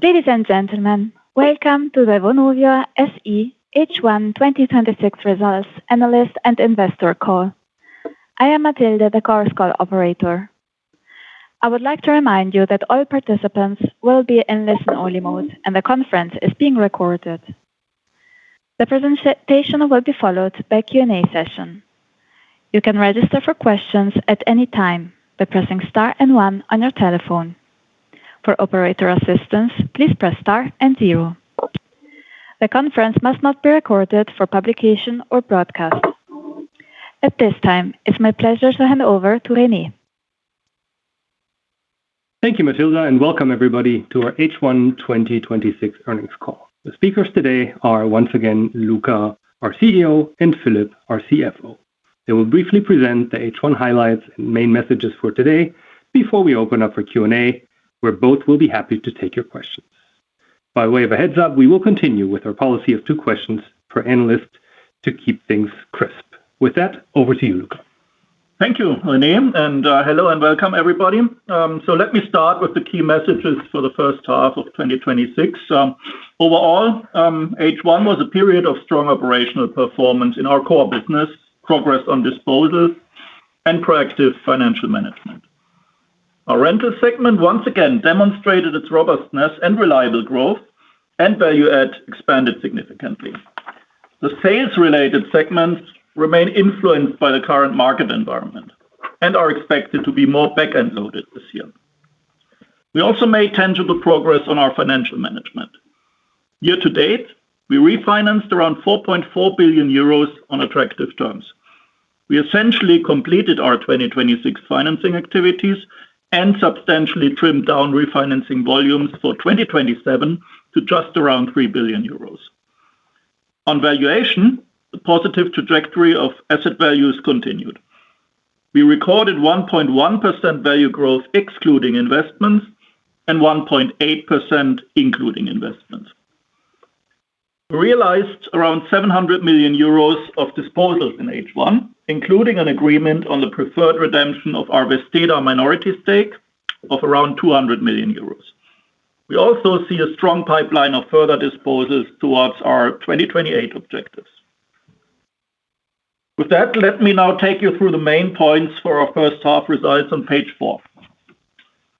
Ladies and gentlemen, welcome to the Vonovia SE H1 2026 results analyst and investor call. I am Matilde, the conference call operator. I would like to remind you that all participants will be in listen-only mode, and the conference is being recorded. The presentation will be followed by a Q&A session. You can register for questions at any time by pressing star and one on your telephone. For operator assistance, please press star and zero. The conference must not be recorded for publication or broadcast. At this time, it is my pleasure to hand over to Rene. Thank you, Matilde, and welcome everybody to our H1 2026 earnings call. The speakers today are, once again, Luka, our CEO, and Philip, our CFO. They will briefly present the H1 highlights and main messages for today before we open up for Q&A, where both will be happy to take your questions. By way of a heads up, we will continue with our policy of two questions per analyst to keep things crisp. With that, over to you, Luka. Thank you, Rene, and hello and welcome, everybody. Let me start with the key messages for the first half of 2026. Overall, H1 was a period of strong operational performance in our core business, progress on disposals, and proactive financial management. Our rental segment once again demonstrated its robustness and reliable growth, and value add expanded significantly. The sales-related segments remain influenced by the current market environment and are expected to be more back-end loaded this year. We also made tangible progress on our financial management. Year to date, we refinanced around 4.4 billion euros on attractive terms. We essentially completed our 2026 financing activities and substantially trimmed down refinancing volumes for 2027 to just around 3 billion euros. On valuation, the positive trajectory of asset values continued. We recorded 1.1% value growth excluding investments, and 1.8% including investments. We realized around 700 million euros of disposals in H1, including an agreement on the preferred redemption of our Vesteda minority stake of around 200 million euros. We also see a strong pipeline of further disposals towards our 2028 objectives. With that, let me now take you through the main points for our first half results on page four.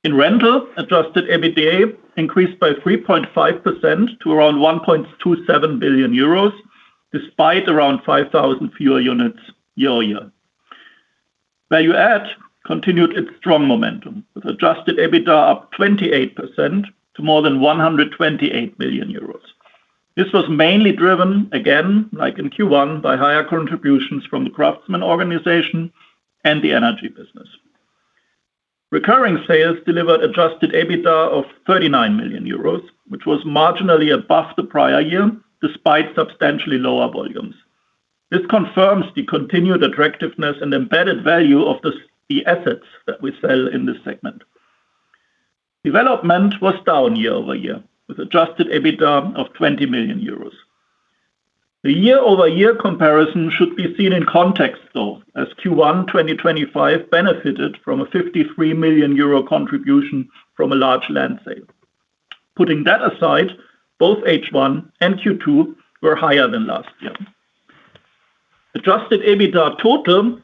In rental, adjusted EBITDA increased by 3.5% to around 1.27 billion euros, despite around 5,000 fewer units year-over-year. Value add continued its strong momentum, with adjusted EBITDA up 28% to more than 128 million euros. This was mainly driven, again, like in Q1, by higher contributions from the craftsman organization and the energy business. Recurring sales delivered adjusted EBITDA of 39 million euros, which was marginally above the prior year, despite substantially lower volumes. This confirms the continued attractiveness and embedded value of the assets that we sell in this segment. Development was down year-over-year, with adjusted EBITDA of 20 million euros. The year-over-year comparison should be seen in context, though, as Q1 2025 benefited from a 53 million euro contribution from a large land sale. Putting that aside, both H1 and Q2 were higher than last year. Adjusted EBITDA total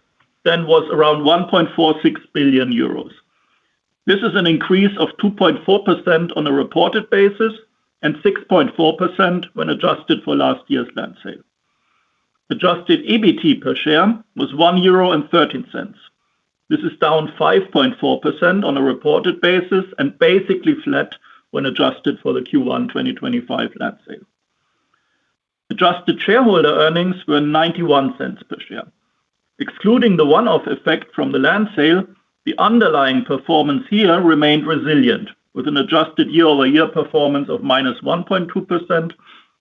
was around 1.46 billion euros. This is an increase of 2.4% on a reported basis and 6.4% when adjusted for last year's land sale. Adjusted EBT per share was 1.13 euro. This is down 5.4% on a reported basis and basically flat when adjusted for the Q1 2025 land sale. Adjusted shareholder earnings were 0.91 per share. Excluding the one-off effect from the land sale, the underlying performance here remained resilient, with an adjusted year-over-year performance of -1.2%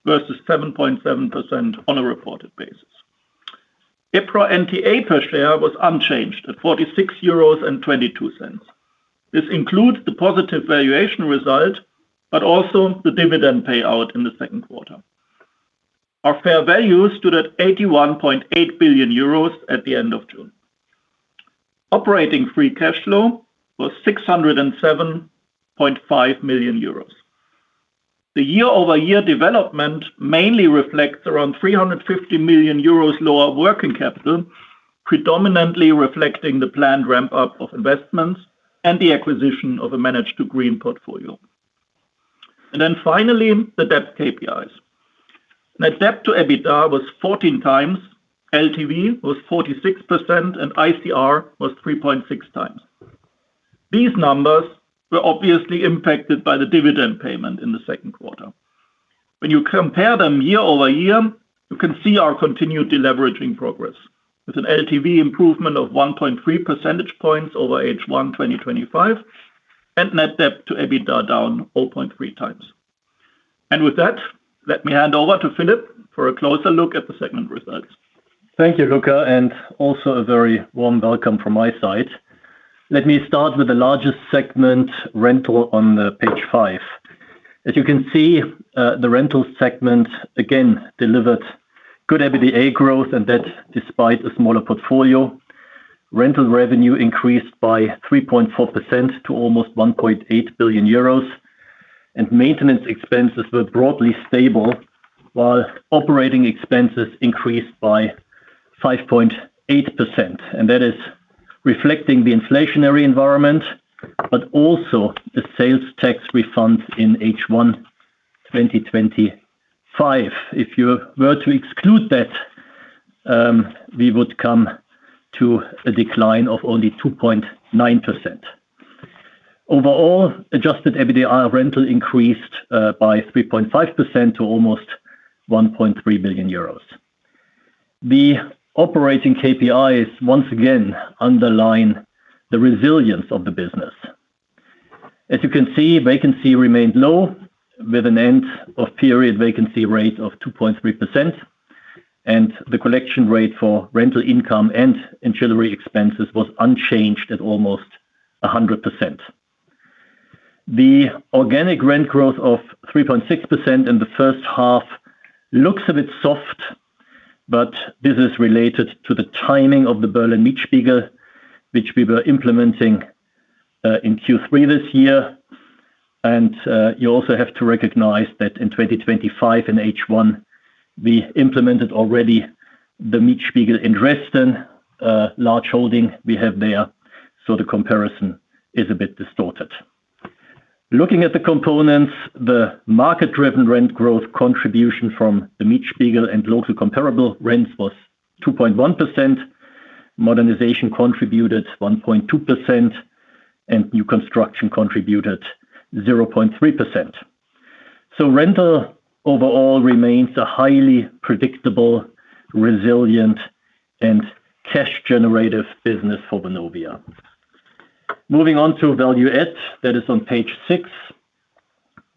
versus 7.7% on a reported basis. EPRA NTA per share was unchanged at 46.22 euros. This includes the positive valuation result, also the dividend payout in the second quarter. Our fair value stood at 81.8 billion euros at the end of June. Operating free cash flow was 607.5 million euros. The year-over-year development mainly reflects around 350 million euros lower working capital, predominantly reflecting the planned ramp-up of investments and the acquisition of a Manage to Green portfolio. Finally, the debt KPIs. Net debt to EBITDA was 14 times, LTV was 46%, and ICR was 3.6 times. These numbers were obviously impacted by the dividend payment in the second quarter. When you compare them year-over-year, you can see our continued deleveraging progress with an LTV improvement of 1.3 percentage points over H1 2025, and net debt to EBITDA down 0.3 times. With that, let me hand over to Philip for a closer look at the segment results. Thank you, Luka, a very warm welcome from my side. Let me start with the largest segment, rental, on page five. As you can see, the rental segment again delivered good EBITDA growth, despite a smaller portfolio. Rental revenue increased by 3.4% to almost 1.8 billion euros, maintenance expenses were broadly stable while operating expenses increased by 5.8%. That is reflecting the inflationary environment, also the sales tax refunds in H1 2025. If you were to exclude that, we would come to a decline of only 2.9%. Overall, adjusted EBITDA rental increased by 3.5% to almost 1.3 billion euros. The operating KPIs once again underline the resilience of the business. As you can see, vacancy remained low with an end of period vacancy rate of 2.3%, the collection rate for rental income and ancillary expenses was unchanged at almost 100%. The organic rent growth of 3.6% in the first half looks a bit soft, this is related to the timing of the Berlin Mietspiegel, which we were implementing in Q3 this year. You also have to recognize that in 2025 in H1, we implemented already the Dresden Mietspiegel, a large holding we have there. The comparison is a bit distorted. Looking at the components, the market-driven rent growth contribution from the Mietspiegel and local comparable rents was 2.1%, modernization contributed 1.2%, new construction contributed 0.3%. Rental overall remains a highly predictable, resilient, and cash generative business for Vonovia. Moving on to value add, that is on page six.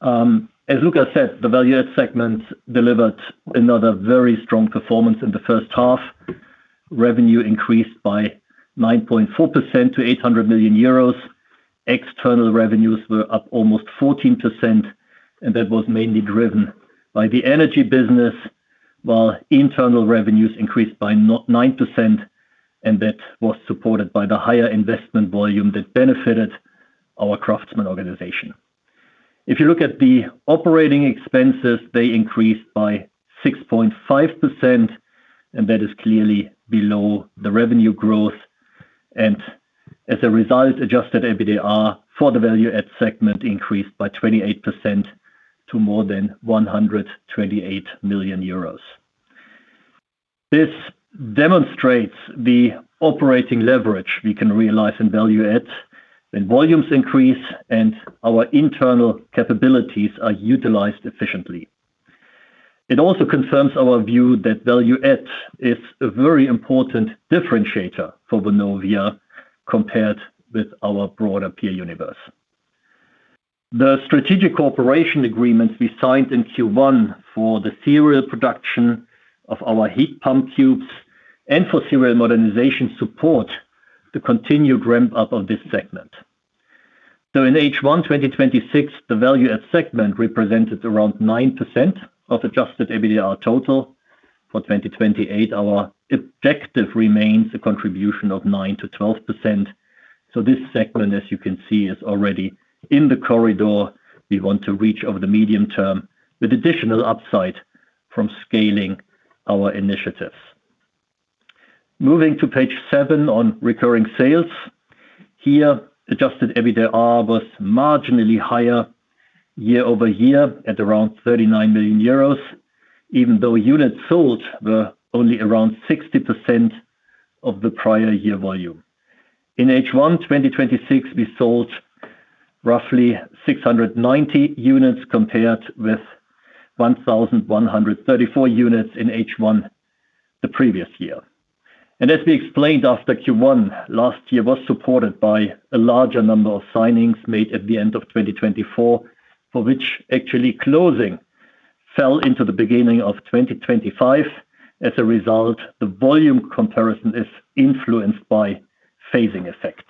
As Luka said, the value add segment delivered another very strong performance in the first half. Revenue increased by 9.4% to 800 million euros. External revenues were up almost 14%, that was mainly driven by the energy business, while internal revenues increased by 9%, that was supported by the higher investment volume that benefited our craftsman organization. If you look at the operating expenses, they increased by 6.5%, that is clearly below the revenue growth. As a result, adjusted EBITDA for the value add segment increased by 28% to more than 128 million euros. This demonstrates the operating leverage we can realize in value add when volumes increase and our internal capabilities are utilized efficiently. It also confirms our view that value add is a very important differentiator for Vonovia compared with our broader peer universe. The strategic cooperation agreements we signed in Q1 for the serial production of our Heat Pump Cube and for serial modernization support the continued ramp-up of this segment. In H1 2026, the value add segment represented around 9% of adjusted EBITDA total. For 2028, our objective remains a contribution of 9%-12%. This segment, as you can see, is already in the corridor we want to reach over the medium term with additional upside from scaling our initiatives. Moving to page seven on recurring sales. Here, adjusted EBITDA was marginally higher year-over-year at around 39 million euros, even though units sold were only around 60% of the prior year volume. In H1 2026, we sold roughly 690 units compared with 1,134 units in H1 the previous year. As we explained after Q1 last year was supported by a larger number of signings made at the end of 2024, for which actually closing fell into the beginning of 2025. As a result, the volume comparison is influenced by phasing effects.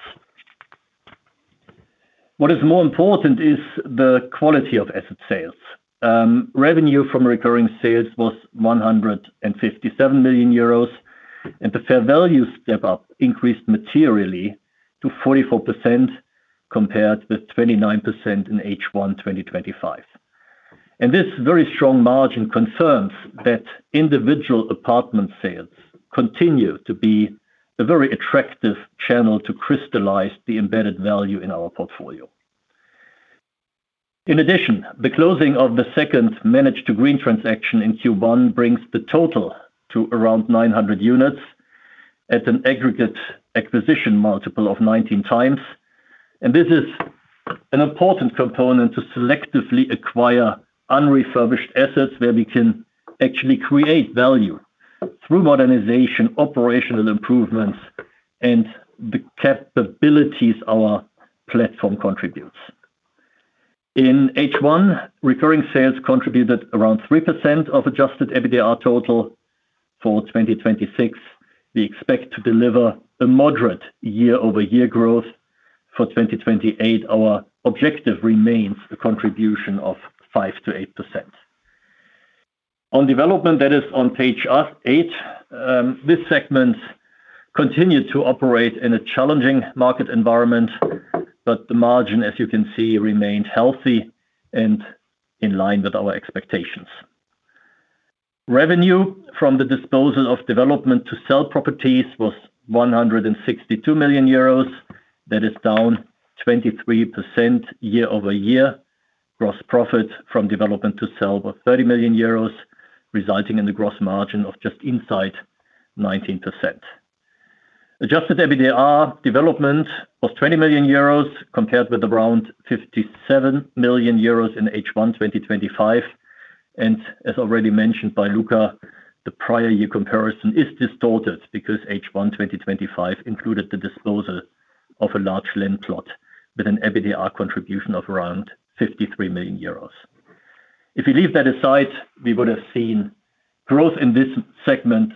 What is more important is the quality of asset sales. Revenue from recurring sales was 157 million euros, the fair value step-up increased materially to 44% compared with 29% in H1 2025. This very strong margin confirms that individual apartment sales continue to be a very attractive channel to crystallize the embedded value in our portfolio. In addition, the closing of the second Manage to Green transaction in Q1 brings the total to around 900 units at an aggregate acquisition multiple of 19 times. This is an important component to selectively acquire un-refurbished assets where we can actually create value through modernization, operational improvements, and the capabilities our platform contributes. In H1, recurring sales contributed around 3% of adjusted EBITDA total. For 2026, we expect to deliver a moderate year-over-year growth. For 2028, our objective remains a contribution of 5%-8%. On development, that is on page eight. This segment continued to operate in a challenging market environment, the margin, as you can see, remained healthy and in line with our expectations. Revenue from the disposal of development to sell properties was 162 million euros. That is down 23% year-over-year. Gross profit from development to sell was 30 million euros, resulting in the gross margin of just inside 19%. Adjusted EBITDA development was 20 million euros, compared with around 57 million euros in H1 2025. As already mentioned by Luka, the prior year comparison is distorted because H1 2025 included the disposal of a large land plot with an EBITDA contribution of around 53 million euros. If we leave that aside, we would have seen growth in this segment,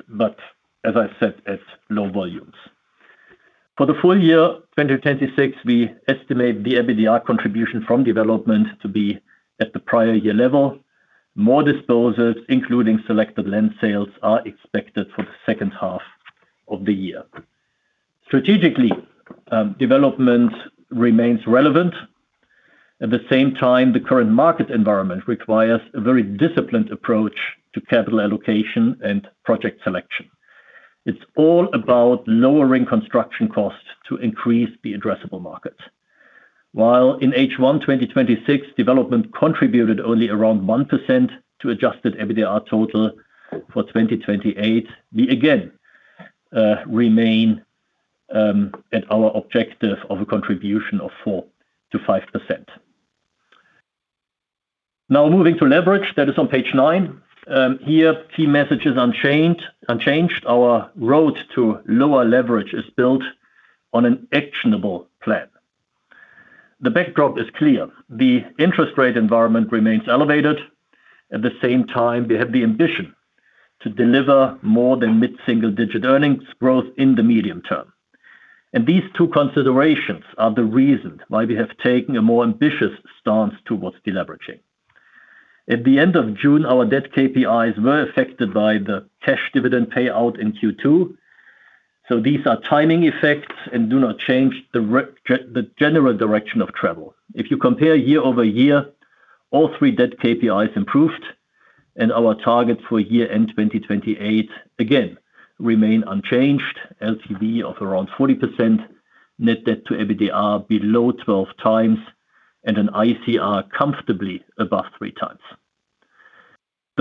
as I said, at low volumes. For the full year 2026, we estimate the EBITDA contribution from development to be at the prior year level. More disposals, including selected land sales, are expected for the second half of the year. Strategically, development remains relevant. At the same time, the current market environment requires a very disciplined approach to capital allocation and project selection. It's all about lowering construction costs to increase the addressable market. While in H1 2026, development contributed only around 1% to adjusted EBITDA total for 2028. We again remain at our objective of a contribution of 4% to 5%. Moving to leverage. That is on page nine. Key message is unchanged. Our road to lower leverage is built on an actionable plan. The backdrop is clear. The interest rate environment remains elevated. We have the ambition to deliver more than mid-single digit earnings growth in the medium term. These two considerations are the reasons why we have taken a more ambitious stance towards deleveraging. At the end of June, our debt KPIs were affected by the cash dividend payout in Q2. These are timing effects and do not change the general direction of travel. If you compare year-over-year, all three debt KPIs improved and our targets for year-end 2028 again remain unchanged. LTV of around 40%, net debt to EBITDA below 12 times, and an ICR comfortably above three times.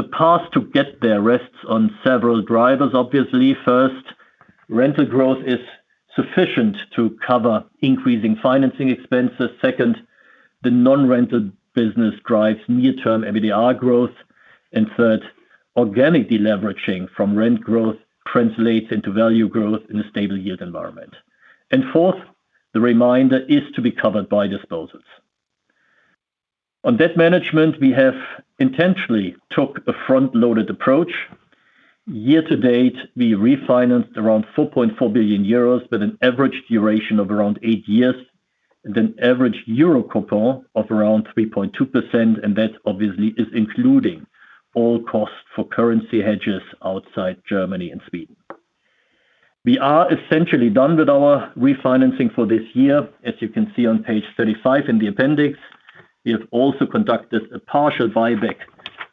The path to get there rests on several drivers, obviously. First, rental growth is sufficient to cover increasing financing expenses. Second, the non-rented business drives near-term EBITDA growth. Third, organic deleveraging from rent growth translates into value growth in a stable yield environment. Fourth, the reminder is to be covered by disposals. On debt management, we have intentionally took a front-loaded approach. Year-to-date, we refinanced around 4.4 billion euros with an average duration of around eight years, and an average EUR coupon of around 3.2%. That obviously is including all costs for currency hedges outside Germany and Sweden. We are essentially done with our refinancing for this year. As you can see on page 35 in the appendix, we have also conducted a partial buyback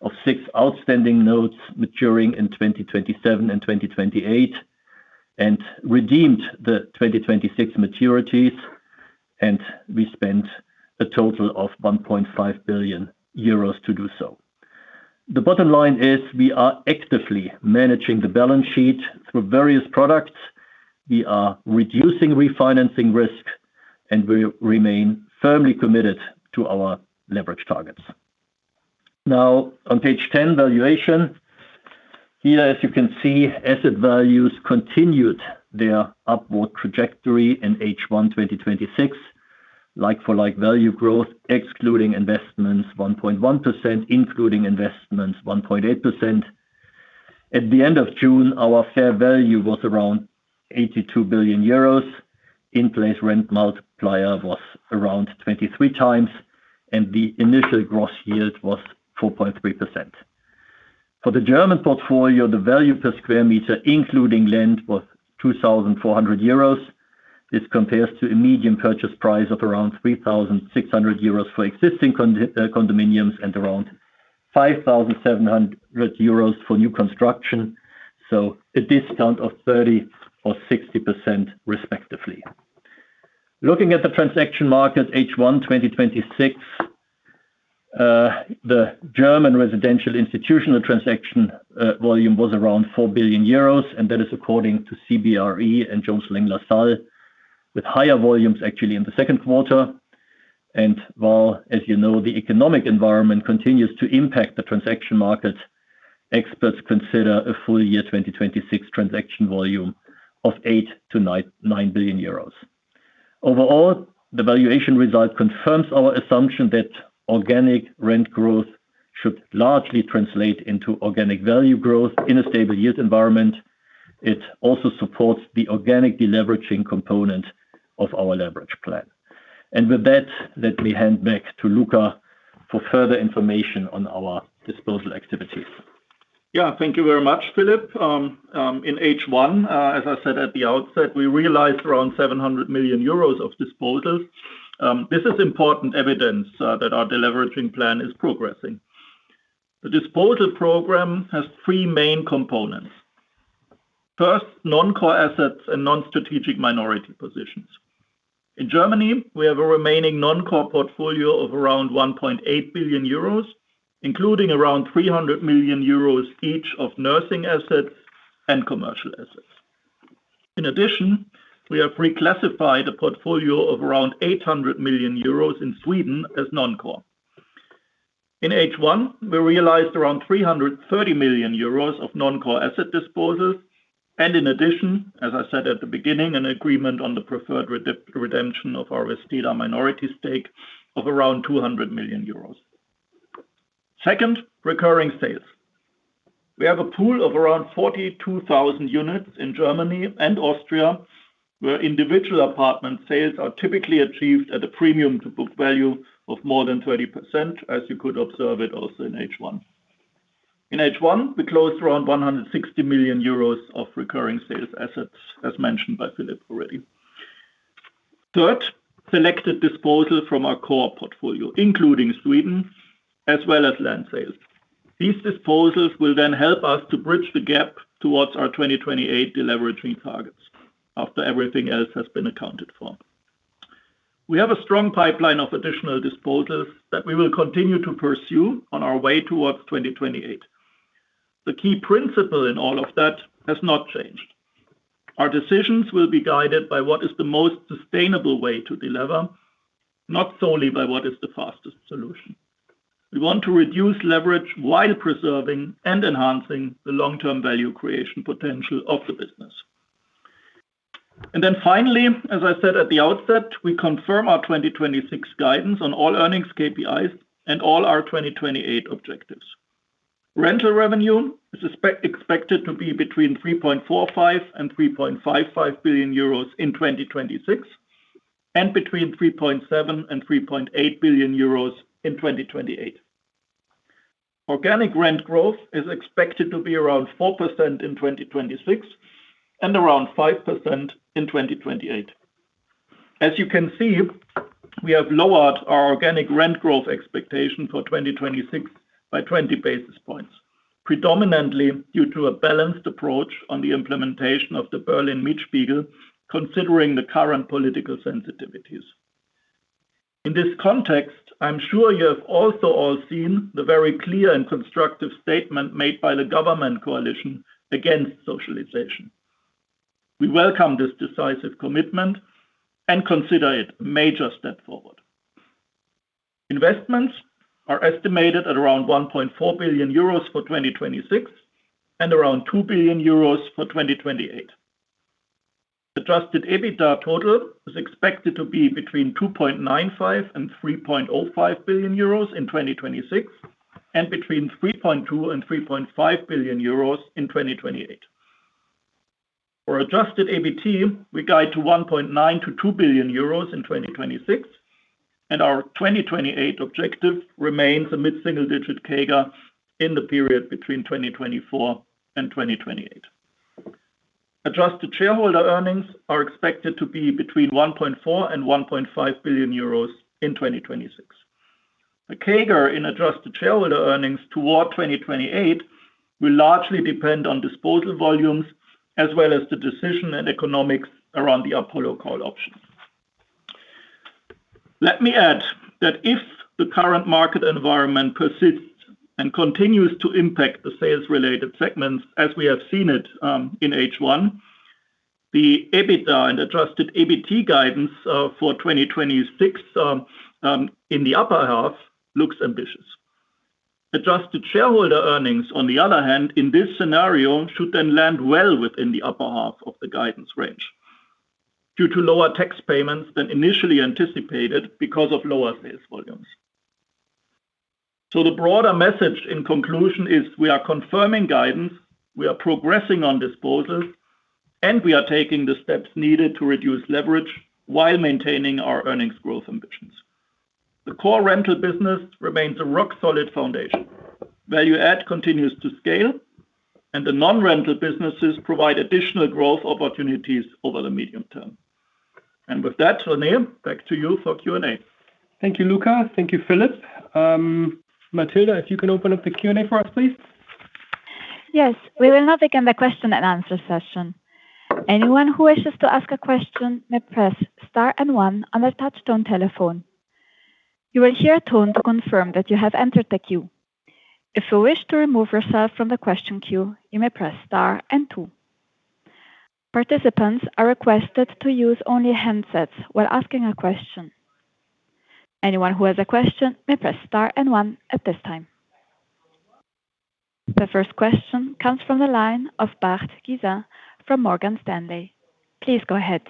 of six outstanding notes maturing in 2027 and 2028 and redeemed the 2026 maturities. We spent a total of 1.5 billion euros to do so. The bottom line is we are actively managing the balance sheet through various products. We are reducing refinancing risk, and we remain firmly committed to our leverage targets. On page 10, valuation. As you can see, asset values continued their upward trajectory in H1 2026. Like-for-like value growth excluding investments 1.1%, including investments 1.8%. At the end of June, our fair value was around 82 billion euros. In-place rent multiplier was around 23 times, and the initial gross yield was 4.3%. For the German portfolio, the value per square meter including land, was 2,400 euros. This compares to a median purchase price of around 3,600 euros for existing condominiums and around 5,700 euros for new construction, a discount of 30% or 60% respectively. Looking at the transaction market H1 2026, the German residential institutional transaction volume was around 4 billion euros. That is according to CBRE and Jones Lang LaSalle, with higher volumes actually in the second quarter. While, as you know, the economic environment continues to impact the transaction market, experts consider a full year 2026 transaction volume of 8 billion-9 billion euros. Overall, the valuation result confirms our assumption that organic rent growth should largely translate into organic value growth in a stable yield environment. It also supports the organic deleveraging component of our leverage plan. With that, let me hand back to Luka for further information on our disposal activities. Yeah. Thank you very much, Philip. In H1, as I said at the outset, we realized around 700 million euros of disposals. This is important evidence that our deleveraging plan is progressing. The disposal program has three main components. First, non-core assets and non-strategic minority positions. In Germany, we have a remaining non-core portfolio of around 1.8 billion euros, including around 300 million euros each of nursing assets and commercial assets. In addition, we have reclassified a portfolio of around 800 million euros in Sweden as non-core. In H1, we realized around 330 million euros of non-core asset disposals, and in addition, as I said at the beginning, an agreement on the preferred redemption of our Vesteda minority stake of around 200 million euros. Second, recurring sales. We have a pool of around 42,000 units in Germany and Austria, where individual apartment sales are typically achieved at a premium to book value of more than 30%, as you could observe it also in H1. In H1, we closed around 160 million euros of recurring sales assets, as mentioned by Philip already. Third, selected disposal from our core portfolio, including Sweden as well as land sales. These disposals will help us to bridge the gap towards our 2028 deleveraging targets, after everything else has been accounted for. We have a strong pipeline of additional disposals that we will continue to pursue on our way towards 2028. The key principle in all of that has not changed. Our decisions will be guided by what is the most sustainable way to de-lever, not solely by what is the fastest solution. We want to reduce leverage while preserving and enhancing the long-term value creation potential of the business. Finally, as I said at the outset, we confirm our 2026 guidance on all earnings KPIs and all our 2028 objectives. Rental revenue is expected to be between 3.45 billion and 3.55 billion euros in 2026, and between 3.7 billion and 3.8 billion euros in 2028. Organic rent growth is expected to be around 4% in 2026 and around 5% in 2028. As you can see, we have lowered our organic rent growth expectation for 2026 by 20 basis points, predominantly due to a balanced approach on the implementation of the Berlin Mietspiegel, considering the current political sensitivities. In this context, I'm sure you have also all seen the very clear and constructive statement made by the government coalition against socialization. We welcome this decisive commitment and consider it a major step forward. Investments are estimated at around 1.4 billion euros for 2026, and around 2 billion euros for 2028. Adjusted EBITDA total is expected to be between 2.95 billion and 3.05 billion euros in 2026, and between 3.2 billion and 3.5 billion euros in 2028. For adjusted EBT, we guide to 1.9 billion-2 billion euros in 2026, and our 2028 objective remains a mid-single digit CAGR in the period between 2024 and 2028. Adjusted shareholder earnings are expected to be between 1.4 billion and 1.5 billion euros in 2026. The CAGR in adjusted shareholder earnings toward 2028 will largely depend on disposal volumes, as well as the decision and economics around the Apollo call options. Let me add that if the current market environment persists and continues to impact the sales-related segments as we have seen it in H1, the EBITDA and adjusted EBT guidance for 2026 in the upper half looks ambitious. Adjusted shareholder earnings, on the other hand, in this scenario, should then land well within the upper half of the guidance range due to lower tax payments than initially anticipated because of lower sales volumes. The broader message in conclusion is we are confirming guidance, we are progressing on disposals, and we are taking the steps needed to reduce leverage while maintaining our earnings growth ambitions. The core rental business remains a rock-solid foundation. Value-add continues to scale, and the non-rental businesses provide additional growth opportunities over the medium term. With that, Rene, back to you for Q&A. Thank you, Luka. Thank you, Philip. Matilde, if you can open up the Q&A for us, please. Yes. We will now begin the question and answer session. Anyone who wishes to ask a question may press star one on their touchtone telephone. You will hear a tone to confirm that you have entered the queue. If you wish to remove yourself from the question queue, you may press star two. Participants are requested to use only handsets while asking a question. Anyone who has a question may press star one at this time. The first question comes from the line of Bart Gysens from Morgan Stanley. Please go ahead.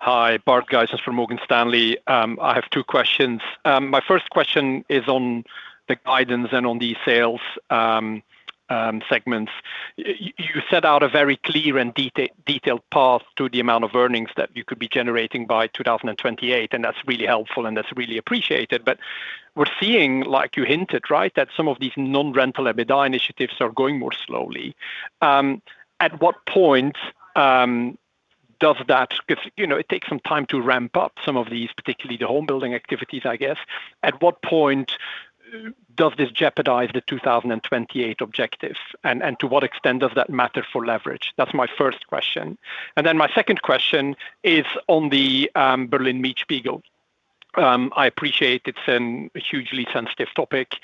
Hi. Bart Gysens from Morgan Stanley. I have two questions. My first question is on the guidance and on the sales segments. You set out a very clear and detailed path to the amount of earnings that you could be generating by 2028, and that's really helpful, and that's really appreciated. We're seeing, like you hinted, that some of these non-rental EBITDA initiatives are going more slowly. It takes some time to ramp up some of these, particularly the home building activities, I guess. At what point does this jeopardize the 2028 objective? To what extent does that matter for leverage? That's my first question. My second question is on the Berlin Mietspiegel. I appreciate it's a hugely sensitive topic,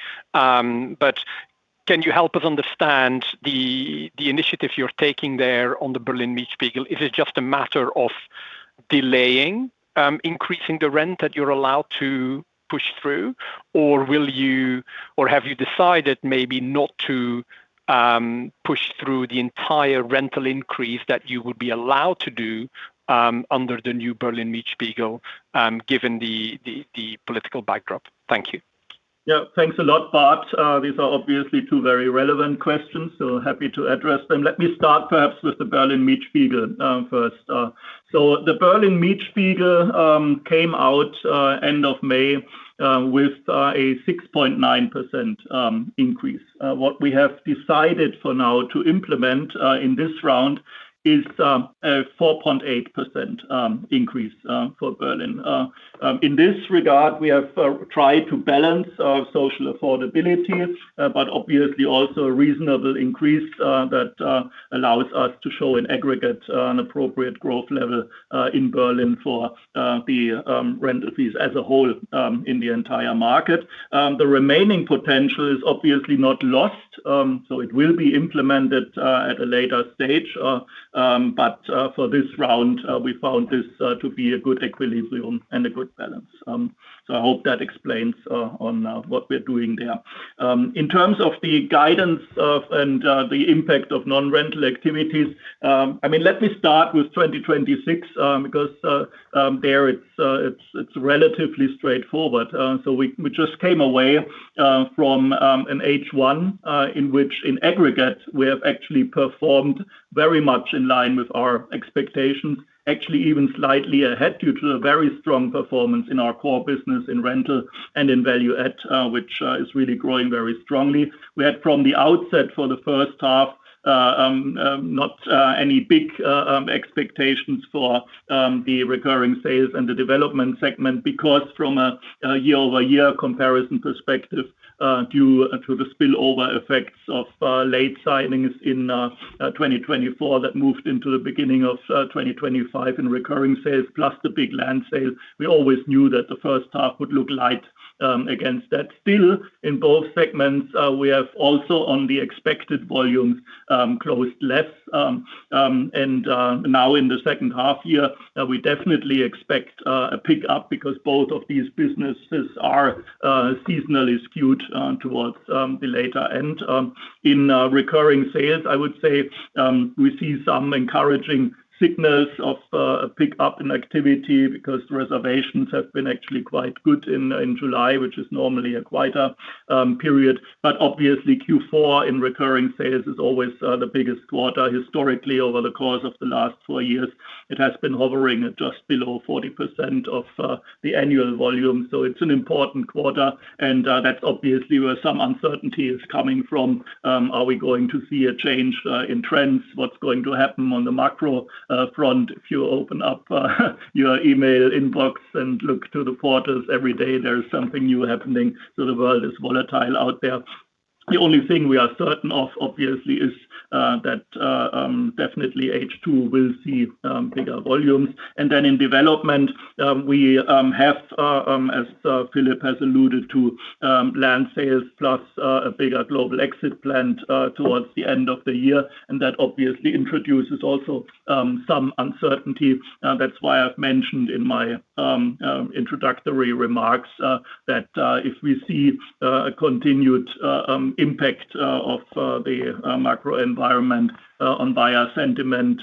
can you help us understand the initiative you're taking there on the Berlin Mietspiegel? Is it just a matter of delaying increasing the rent that you're allowed to push through, or have you decided maybe not to push through the entire rental increase that you would be allowed to do under the new Berlin Mietspiegel given the political backdrop? Thank you. Yeah, thanks a lot, Bart. These are obviously two very relevant questions, happy to address them. Let me start perhaps with the Berlin Mietspiegel first. The Berlin Mietspiegel came out end of May with a 6.9% increase. What we have decided for now to implement in this round is a 4.8% increase for Berlin. In this regard, we have tried to balance social affordability, obviously also a reasonable increase that allows us to show an aggregate, an appropriate growth level in Berlin for the rental fees as a whole in the entire market. The remaining potential is obviously not lost, it will be implemented at a later stage. For this round, we found this to be a good equilibrium and a good balance. I hope that explains on what we're doing there. In terms of the guidance of and the impact of non-rental activities, let me start with 2026, because there it's relatively straightforward. We just came away from an H1, in which in aggregate, we have actually performed very much in line with our expectations. Actually, even slightly ahead due to the very strong performance in our core business in rental and in value add, which is really growing very strongly. We had from the outset for the first half, not any big expectations for the recurring sales and the development segment because from a year-over-year comparison perspective, due to the spillover effects of late signings in 2024 that moved into the beginning of 2025 in recurring sales, plus the big land sale. We always knew that the first half would look light against that. Still, in both segments, we have also on the expected volumes closed less. Now in the second half-year, we definitely expect a pickup because both of these businesses are seasonally skewed towards the later end. In recurring sales, I would say, we see some encouraging signals of a pickup in activity because the reservations have been actually quite good in July, which is normally a quieter period. Obviously Q4 in recurring sales is always the biggest quarter historically over the course of the last four years. It has been hovering at just below 40% of the annual volume. It's an important quarter, and that's obviously where some uncertainty is coming from. Are we going to see a change in trends? What's going to happen on the macro front? If you open up your email inbox and look to the portals every day, there is something new happening. The world is volatile out there. The only thing we are certain of, obviously, is that definitely H2 will see bigger volumes. Then in development, we have, as Philip has alluded to, land sales plus a bigger global exit plan towards the end of the year. That obviously introduces also some uncertainty. That's why I've mentioned in my introductory remarks, that if we see a continued impact of the macro environment on buyer sentiment,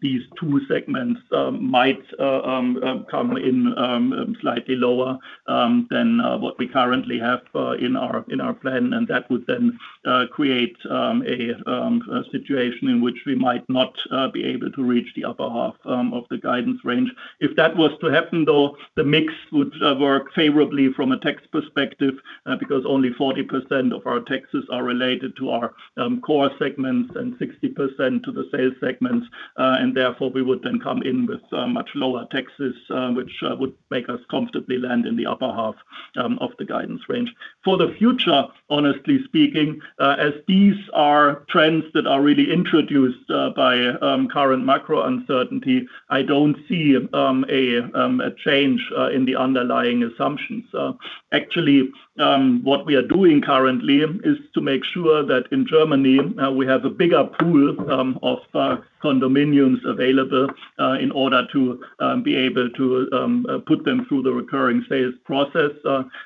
these two segments might come in slightly lower than what we currently have in our plan. That would then create a situation in which we might not be able to reach the upper half of the guidance range. If that was to happen though, the mix would work favorably from a tax perspective because only 40% of our taxes are related to our core segments and 60% to the sales segments. Therefore, we would then come in with much lower taxes, which would make us comfortably land in the upper half of the guidance range. For the future, honestly speaking, as these are trends that are really introduced by current macro uncertainty, I don't see a change in the underlying assumptions. Actually, what we are doing currently is to make sure that in Germany, we have a bigger pool of condominiums available in order to be able to put them through the recurring sales process.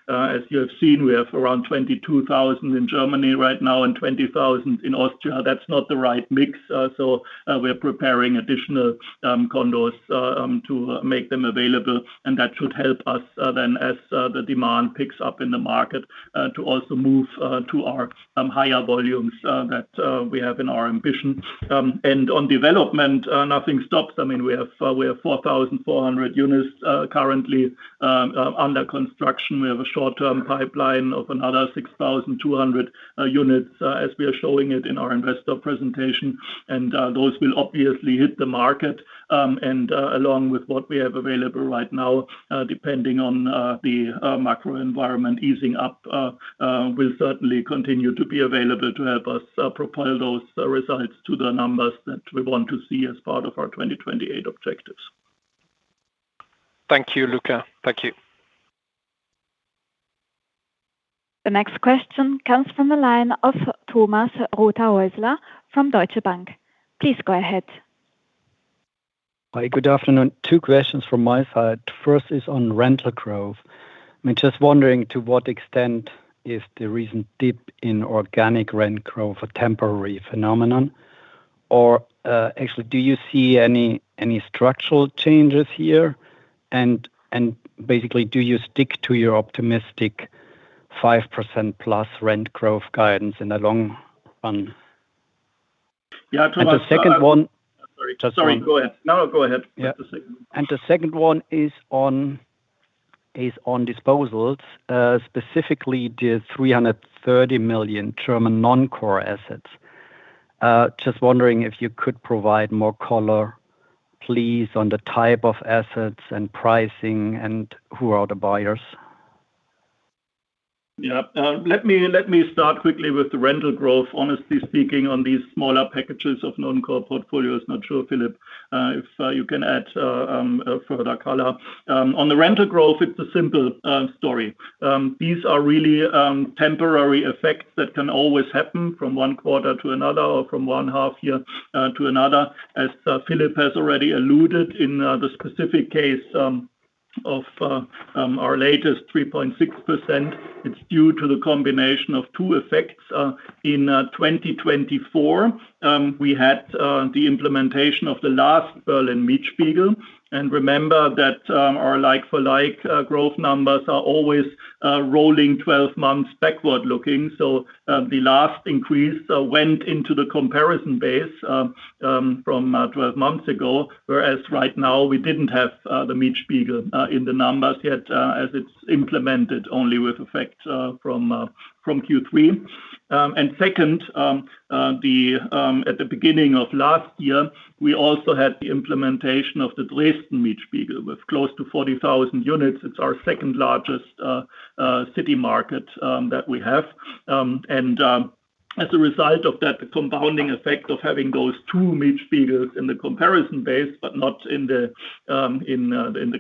As you have seen, we have around 22,000 in Germany right now and 20,000 in Austria. That's not the right mix. We're preparing additional condos to make them available, that should help us then as the demand picks up in the market to also move to our higher volumes that we have in our ambition. On development, nothing stops. We have 4,400 units currently under construction. We have a short-term pipeline of another 6,200 units as we are showing it in our investor presentation. Those will obviously hit the market, and along with what we have available right now, depending on the macro environment easing up, will certainly continue to be available to help us propel those results to the numbers that we want to see as part of our 2028 objectives. Thank you, Luka. Thank you. The next question comes from the line of Thomas Rothäusler from Deutsche Bank. Please go ahead. Hi, good afternoon. Two questions from my side. First is on rental growth. I'm just wondering to what extent is the recent dip in organic rent growth a temporary phenomenon, or actually do you see any structural changes here? Basically, do you stick to your optimistic 5% plus rent growth guidance in the long run? Yeah, Thomas. The second one. Sorry, go ahead. No, go ahead with the second one. The second one is on disposals, specifically the 330 million German non-core assets. Just wondering if you could provide more color please, on the type of assets and pricing and who are the buyers. Let me start quickly with the rental growth. Honestly speaking, on these smaller packages of non-core portfolios, not sure, Philip, if you can add further color. On the rental growth, it's a simple story. These are really temporary effects that can always happen from one quarter to another or from one half year to another. As Philip has already alluded in the specific case of our latest 3.6%, it's due to the combination of two effects. In 2024, we had the implementation of the last Berlin Mietspiegel. Remember that our like-for-like growth numbers are always rolling 12 months backward looking. The last increase went into the comparison base from 12 months ago. Whereas right now we didn't have the Mietspiegel in the numbers yet, as it's implemented only with effect from Q3. Second, at the beginning of last year, we also had the implementation of the Dresden Mietspiegel with close to 40,000 units. It's our second largest city market that we have. As a result of that compounding effect of having those two Mietspiegels in the comparison base, but not in the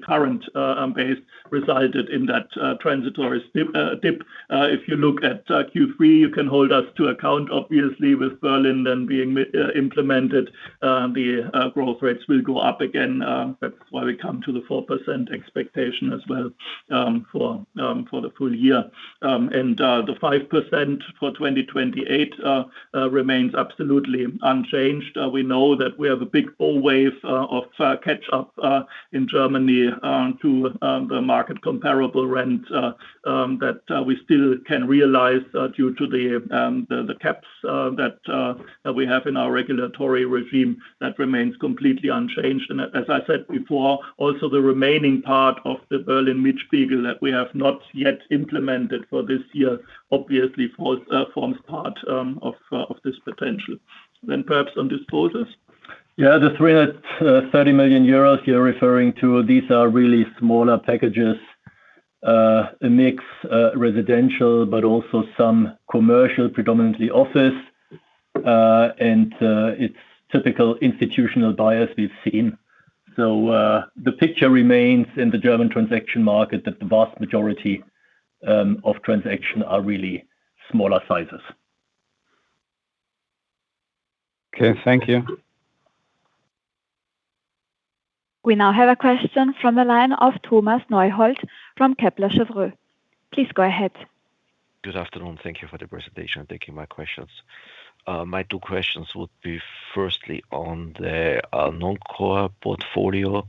current base, resulted in that transitory dip. If you look at Q3, you can hold us to account. Obviously with Berlin then being implemented, the growth rates will go up again. That's why we come to the 4% expectation as well for the full year. The 5% for 2028 remains absolutely unchanged. We know that we have a big old wave of catch up in Germany to the market comparable rent that we still can realize due to the caps that we have in our regulatory regime. That remains completely unchanged. As I said before, also the remaining part of the Berlin Mietspiegel that we have not yet implemented for this year obviously forms part of this potential. Then perhaps on disposals? The 330 million euros you are referring to, these are really smaller packages. A mix residential, but also some commercial, predominantly office. It is typical institutional buyers we have seen. The picture remains in the German transaction market that the vast majority of transaction are really smaller sizes. Okay. Thank you. We now have a question from the line of Thomas Neuhold from Kepler Cheuvreux. Please go ahead. Good afternoon. Thank you for the presentation, and thank you my questions. My two questions would be firstly on the non-core portfolio.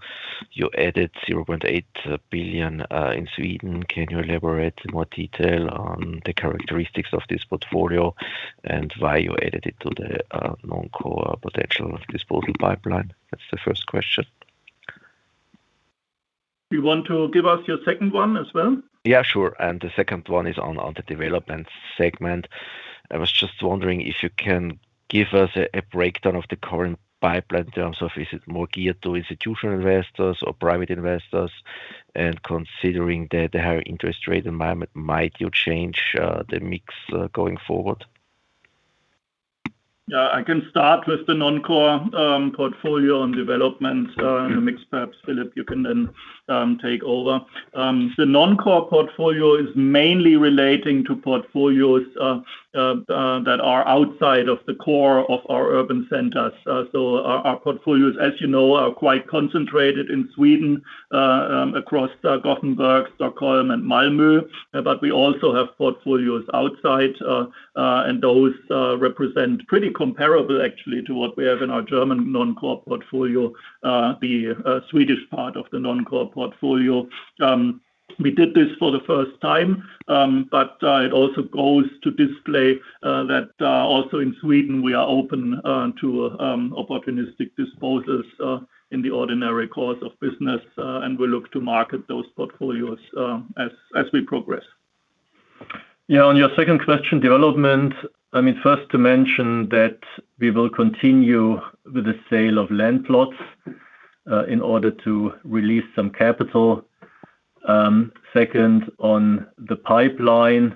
You added 0.8 billion in Sweden. Can you elaborate in more detail on the characteristics of this portfolio, and why you added it to the non-core potential disposal pipeline? That's the first question. You want to give us your second one as well? Yeah, sure. The second one is on the development segment. I was just wondering if you can give us a breakdown of the current pipeline in terms of, is it more geared to institutional investors or private investors? Considering that the higher interest rate environment, might you change the mix going forward? Yeah, I can start with the non-core portfolio and development mix. Perhaps Philip, you can then take over. The non-core portfolio is mainly relating to portfolios that are outside of the core of our urban centers. Our portfolios, as you know, are quite concentrated in Sweden across Gothenburg, Stockholm, and Malmo. We also have portfolios outside, and those represent pretty comparable actually to what we have in our German non-core portfolio, the Swedish part of the non-core portfolio. We did this for the first time. It also goes to display that also in Sweden, we are open to opportunistic disposals in the ordinary course of business, and we look to market those portfolios as we progress. On your second question, development. First, to mention that we will continue with the sale of land plots in order to release some capital. Second, on the pipeline,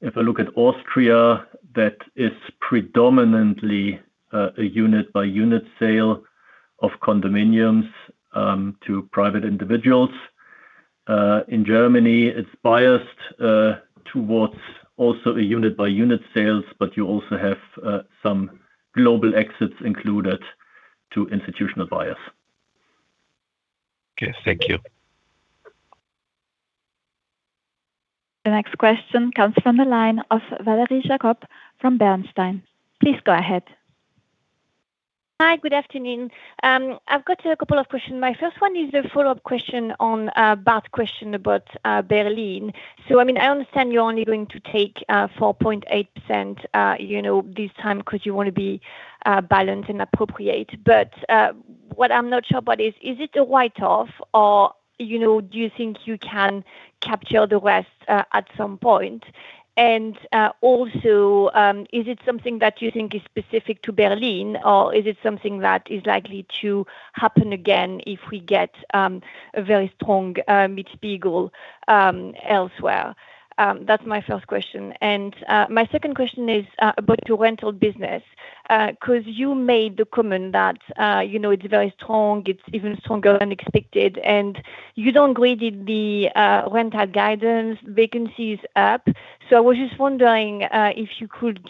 if I look at Austria, that is predominantly a unit-by-unit sale of condominiums to private individuals. In Germany, it is biased towards also a unit-by-unit sales, but you also have some global exits included to institutional buyers. Thank you. The next question comes from the line of Valerie Jacob from Bernstein. Please go ahead. Hi, good afternoon. I've got a couple of questions. My first one is a follow-up question on Bart's question about Berlin. I understand you're only going to take 4.8% this time because you want to be balanced and appropriate. What I'm not sure about is it a write-off, or do you think you can capture the rest at some point? Also, is it something that you think is specific to Berlin, or is it something that is likely to happen again if we get a very strong Mietspiegel elsewhere? That's my first question. My second question is about your rental business. You made the comment that it's very strong, it's even stronger than expected, and you don't grade the rental guidance vacancies up. I was just wondering if you could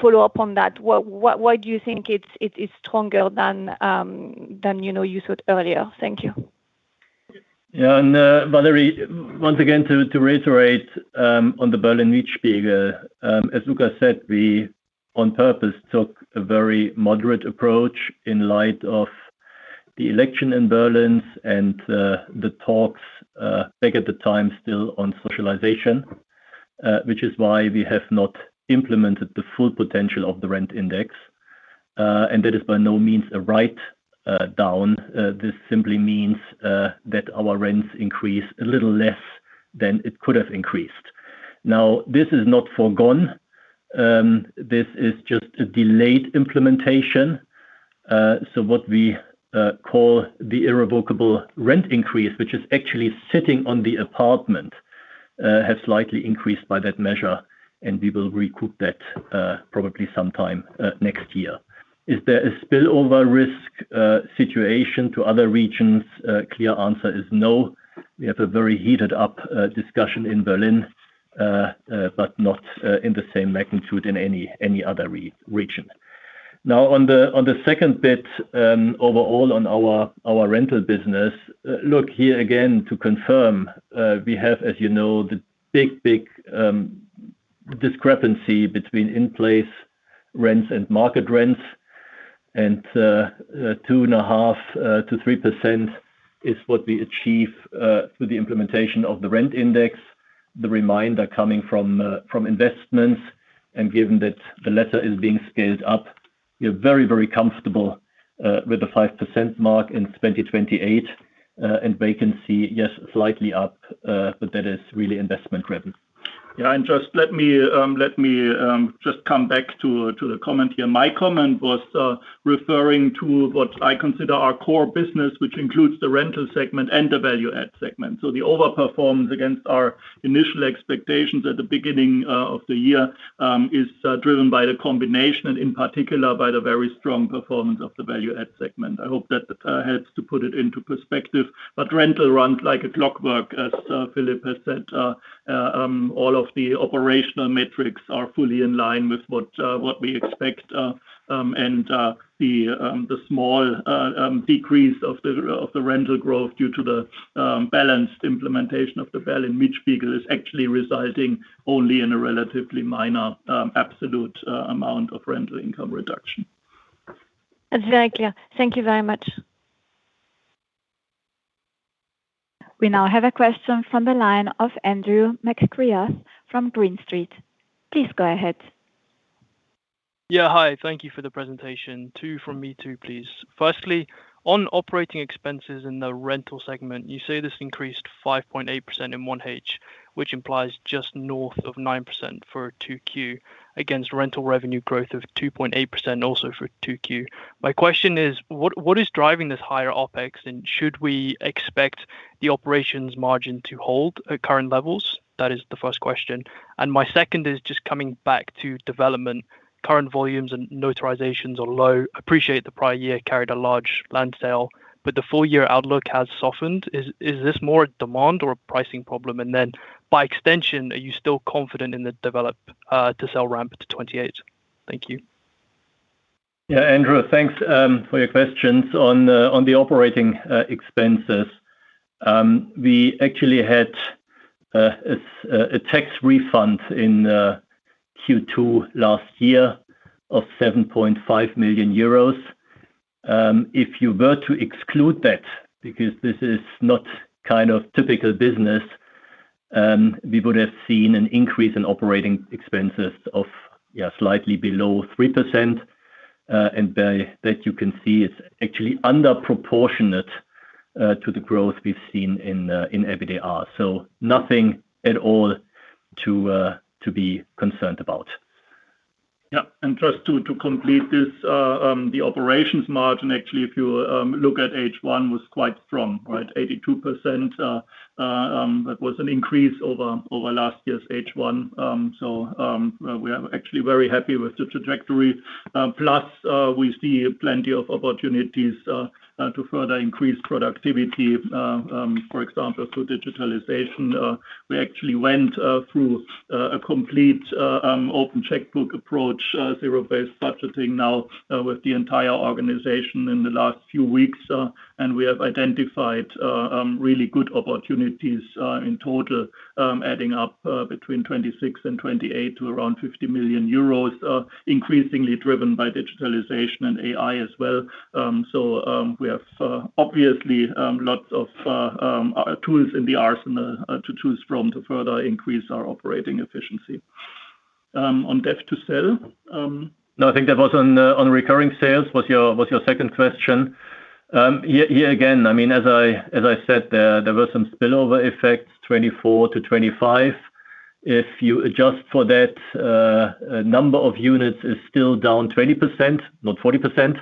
follow up on that. Why do you think it's stronger than you said earlier? Thank you. Valerie, once again, to reiterate on the Berlin Mietspiegel, as Luka said, we on purpose took a very moderate approach in light of the election in Berlin and the talks back at the time still on socialization, which is why we have not implemented the full potential of the rent index. That is by no means a write-down. This simply means that our rents increase a little less than it could have increased. This is not foregone. This is just a delayed implementation. What we call the irrevocable rent increase, which is actually sitting on the apartment, have slightly increased by that measure, and we will recoup that probably sometime next year. Is there a spillover risk situation to other regions? Clear answer is no. We have a very heated up discussion in Berlin, but not in the same magnitude in any other region. On the second bit, overall on our rental business, look here again to confirm, we have, as you know, the big discrepancy between in-place rents and market rents. 2.5%-3% is what we achieve through the implementation of the rent index. The remainder coming from investments, and given that the latter is being scaled up, we are very comfortable with the 5% mark in 2028. Vacancy, yes, slightly up, but that is really investment driven. Yeah, let me just come back to the comment here. My comment was referring to what I consider our core business, which includes the rental segment and the value add segment. The overperformance against our initial expectations at the beginning of the year is driven by the combination and in particular by the very strong performance of the value add segment. I hope that helps to put it into perspective. Rental runs like a clockwork, as Philip has said. All of the operational metrics are fully in line with what we expect. The small decrease of the rental growth due to the balanced implementation of the Berlin Mietspiegel is actually residing only in a relatively minor absolute amount of rental income reduction. That's very clear. Thank you very much. We now have a question from the line of Andrew McCreath from Green Street. Please go ahead. Hi. Thank you for the presentation. Two from me too, please. Firstly, on operating expenses in the rental segment, you say this increased 5.8% in 1H, which implies just north of 9% for 2Q against rental revenue growth of 2.8% also for 2Q. My question is, what is driving this higher OpEx, and should we expect the operations margin to hold at current levels? That is the first question. My second is just coming back to development. Current volumes and notarizations are low. Appreciate the prior year carried a large land sale, but the full-year outlook has softened. Is this more a demand or a pricing problem? Then by extension, are you still confident in the develop-to-sell ramp to 2028? Thank you. Andrew, thanks for your questions. On the operating expenses, we actually had a tax refund in Q2 last year of €7.5 million. If you were to exclude that, because this is not kind of typical business, we would have seen an increase in operating expenses of slightly below 3%. By that, you can see it's actually under proportionate to the growth we've seen in EBITDA. Nothing at all to be concerned about. Just to complete this, the operations margin actually, if you look at H1, was quite strong, right? 82%. That was an increase over last year's H1. We are actually very happy with the trajectory. Plus, we see plenty of opportunities to further increase productivity. For example, through digitalization, we actually went through a complete open checkbook approach, zero-based budgeting now with the entire organization in the last few weeks. We have identified really good opportunities in total, adding up between 26 and 28 to around 50 million euros, increasingly driven by digitalization and AI as well. We have obviously lots of tools in the arsenal to choose from to further increase our operating efficiency. On dev to sell? No, I think that was on recurring sales was your second question. Here again, as I said, there were some spillover effects, 2024 to 2025. If you adjust for that, number of units is still down 20%, not 40%.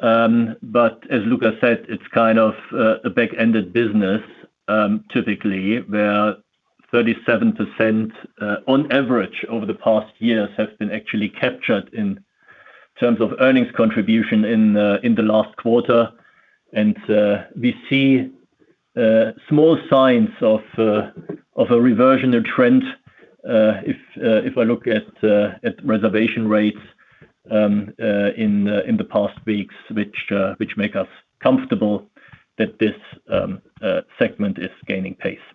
As Luka said, it's kind of a back-ended business. Typically, where 37% on average over the past years have been actually captured in terms of earnings contribution in the last quarter. We see small signs of a reversion of trend. If I look at reservation rates in the past weeks, which make us comfortable that this segment is gaining pace.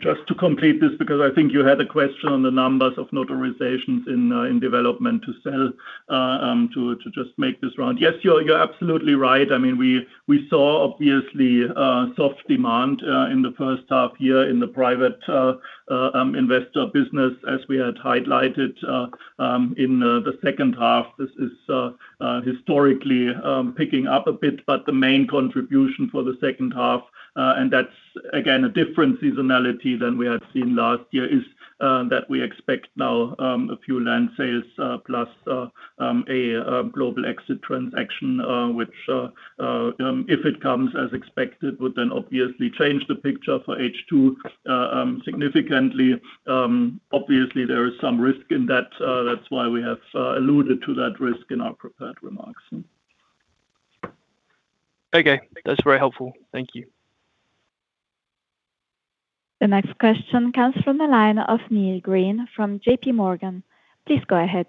Just to complete this, because I think you had a question on the numbers of notarizations in development to sell, to just make this round. Yes, you are absolutely right. We saw obviously soft demand in the first half year in the private investor business as we had highlighted in the second half. This is historically picking up a bit, the main contribution for the second half, that's again, a different seasonality than we had seen last year, is that we expect now a few land sales plus a global exit transaction, which if it comes as expected, would then obviously change the picture for H2 significantly. Obviously, there is some risk in that. That's why we have alluded to that risk in our prepared remarks. Okay. That's very helpful. Thank you. The next question comes from the line of Neil Green from JPMorgan. Please go ahead.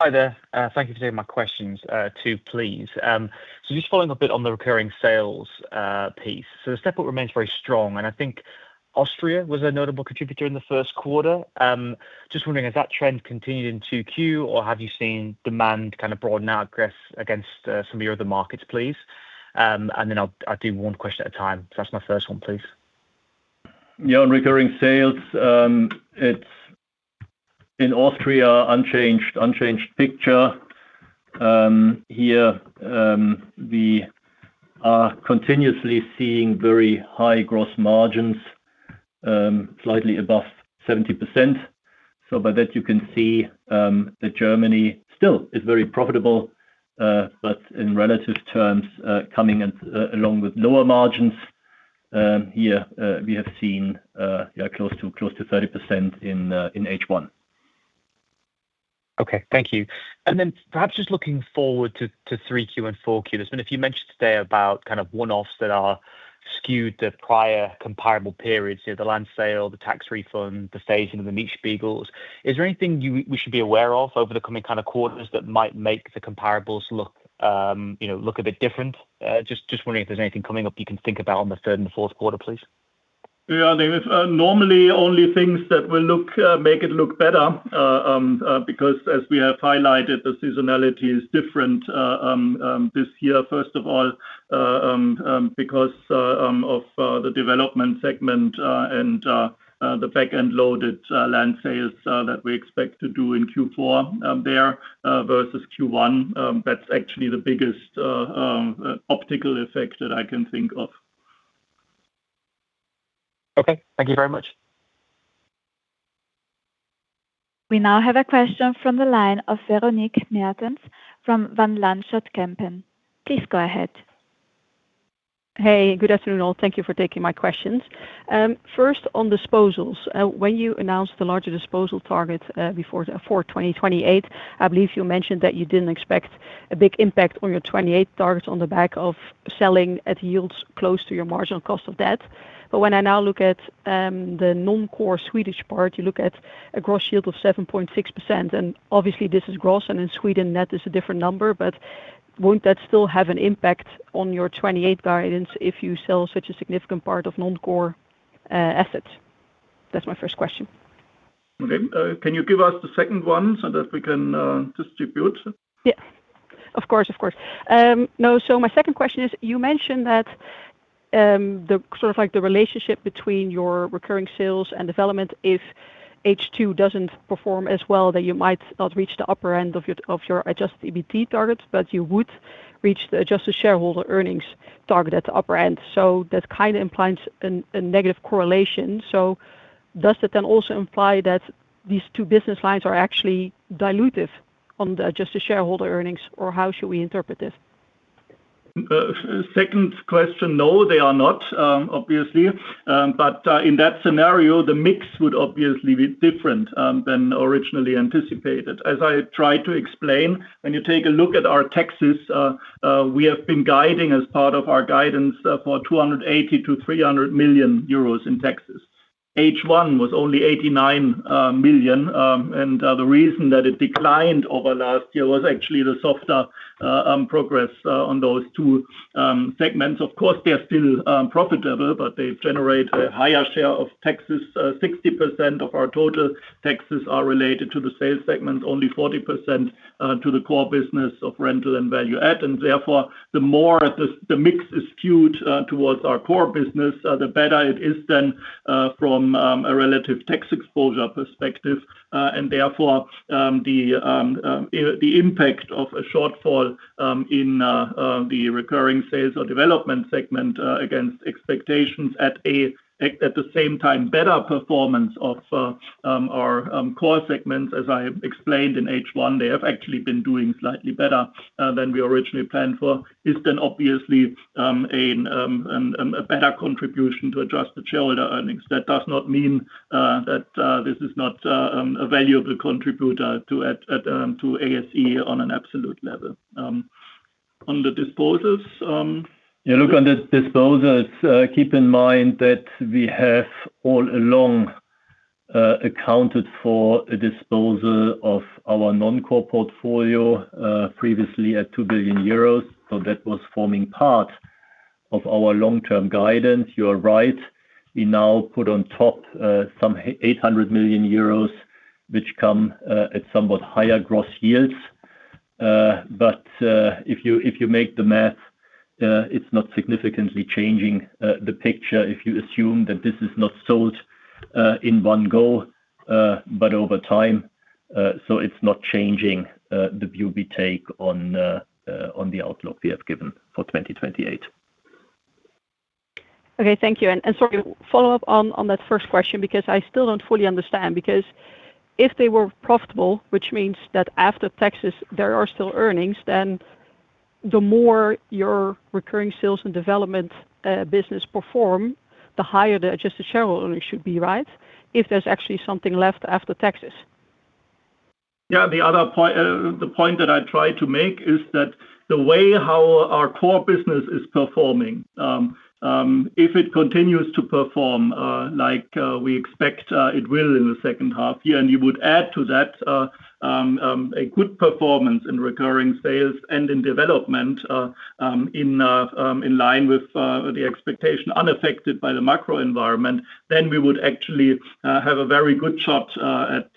Hi there. Thank you for taking my questions too, please. Just following up a bit on the recurring sales piece. The step up remains very strong, and I think Austria was a notable contributor in the first quarter. Just wondering, has that trend continued in 2Q, or have you seen demand kind of broaden out against some of your other markets, please? I'll do one question at a time. That's my first one, please. Yeah. On recurring sales, it's in Austria, unchanged picture. Here we are continuously seeing very high gross margins, slightly above 70%. By that you can see that Germany still is very profitable, but in relative terms coming along with lower margins. Here we have seen close to 30% in H1. Okay. Thank you. Perhaps just looking forward to 3Q and 4Q, there's been a few mentions today about kind of one-offs that are skewed the prior comparable periods. The land sale, the tax refund, the phasing of the Mietspiegels. Is there anything we should be aware of over the coming quarters that might make the comparable look a bit different? Just wondering if there's anything coming up you can think about on the third and fourth quarter, please. Yeah. There's normally only things that will make it look better, because as we have highlighted, the seasonality is different this year. First of all, because of the development segment and the back-end loaded land sales that we expect to do in Q4 there versus Q1. That's actually the biggest optical effect that I can think of. Okay. Thank you very much. We now have a question from the line of Véronique Meertens from Van Lanschot Kempen. Please go ahead. Hey, good afternoon all. Thank you for taking my questions. First on disposals. When you announced the larger disposal target for 2028, I believe you mentioned that you didn't expect a big impact on your '28 targets on the back of selling at yields close to your marginal cost of debt. When I now look at the non-core Swedish part, you look at a gross yield of 7.6% and obviously this is gross, and in Sweden, net is a different number. Won't that still have an impact on your '28 guidance if you sell such a significant part of non-core assets? That's my first question. Okay. Can you give us the second one so that we can distribute? Yeah. Of course. My second question is, you mentioned that the sort of like the relationship between your recurring sales and development, if H2 doesn't perform as well, that you might not reach the upper end of your adjusted EBIT targets, but you would reach the adjusted shareholder earnings target at the upper end. That kind of implies a negative correlation. Does that then also imply that these two business lines are actually dilutive on the adjusted shareholder earnings, or how should we interpret this? Second question, no, they are not, obviously. In that scenario, the mix would obviously be different than originally anticipated. As I tried to explain, when you take a look at our taxes, we have been guiding as part of our guidance for 280 million to 300 million euros in taxes. H1 was only 89 million, the reason that it declined over last year was actually the softer progress on those two segments. Of course, they are still profitable, but they generate a higher share of taxes. 60% of our total taxes are related to the sales segment, only 40% to the core business of rental and value add. Therefore, the more the mix is skewed towards our core business, the better it is then from a relative tax exposure perspective. Therefore the impact of a shortfall in the recurring sales or development segment against expectations at the same time, better performance of our core segments, as I explained in H1, they have actually been doing slightly better than we originally planned for, is then obviously a better contribution to adjusted shareholder earnings. That does not mean that this is not a valuable contributor to ASE on an absolute level. On the disposals? Look, on the disposals, keep in mind that we have all along accounted for a disposal of our non-core portfolio previously at 2 billion euros. That was forming part of our long-term guidance. You are right. We now put on top some 800 million euros, which come at somewhat higher gross yields. If you make the math, it is not significantly changing the picture if you assume that this is not sold in one go but over time. It is not changing the view we take on the outlook we have given for 2028. Thank you. Sorry, follow up on that first question because I still do not fully understand. If they were profitable, which means that after taxes there are still earnings, the more your recurring sales and development business perform, the higher the Adjusted Shareholder Earnings should be, right? If there is actually something left after taxes. The point that I try to make is that the way how our core business is performing, if it continues to perform like we expect it will in the second half year, you would add to that a good performance in recurring sales and in development in line with the expectation, unaffected by the macro environment, we would actually have a very good shot at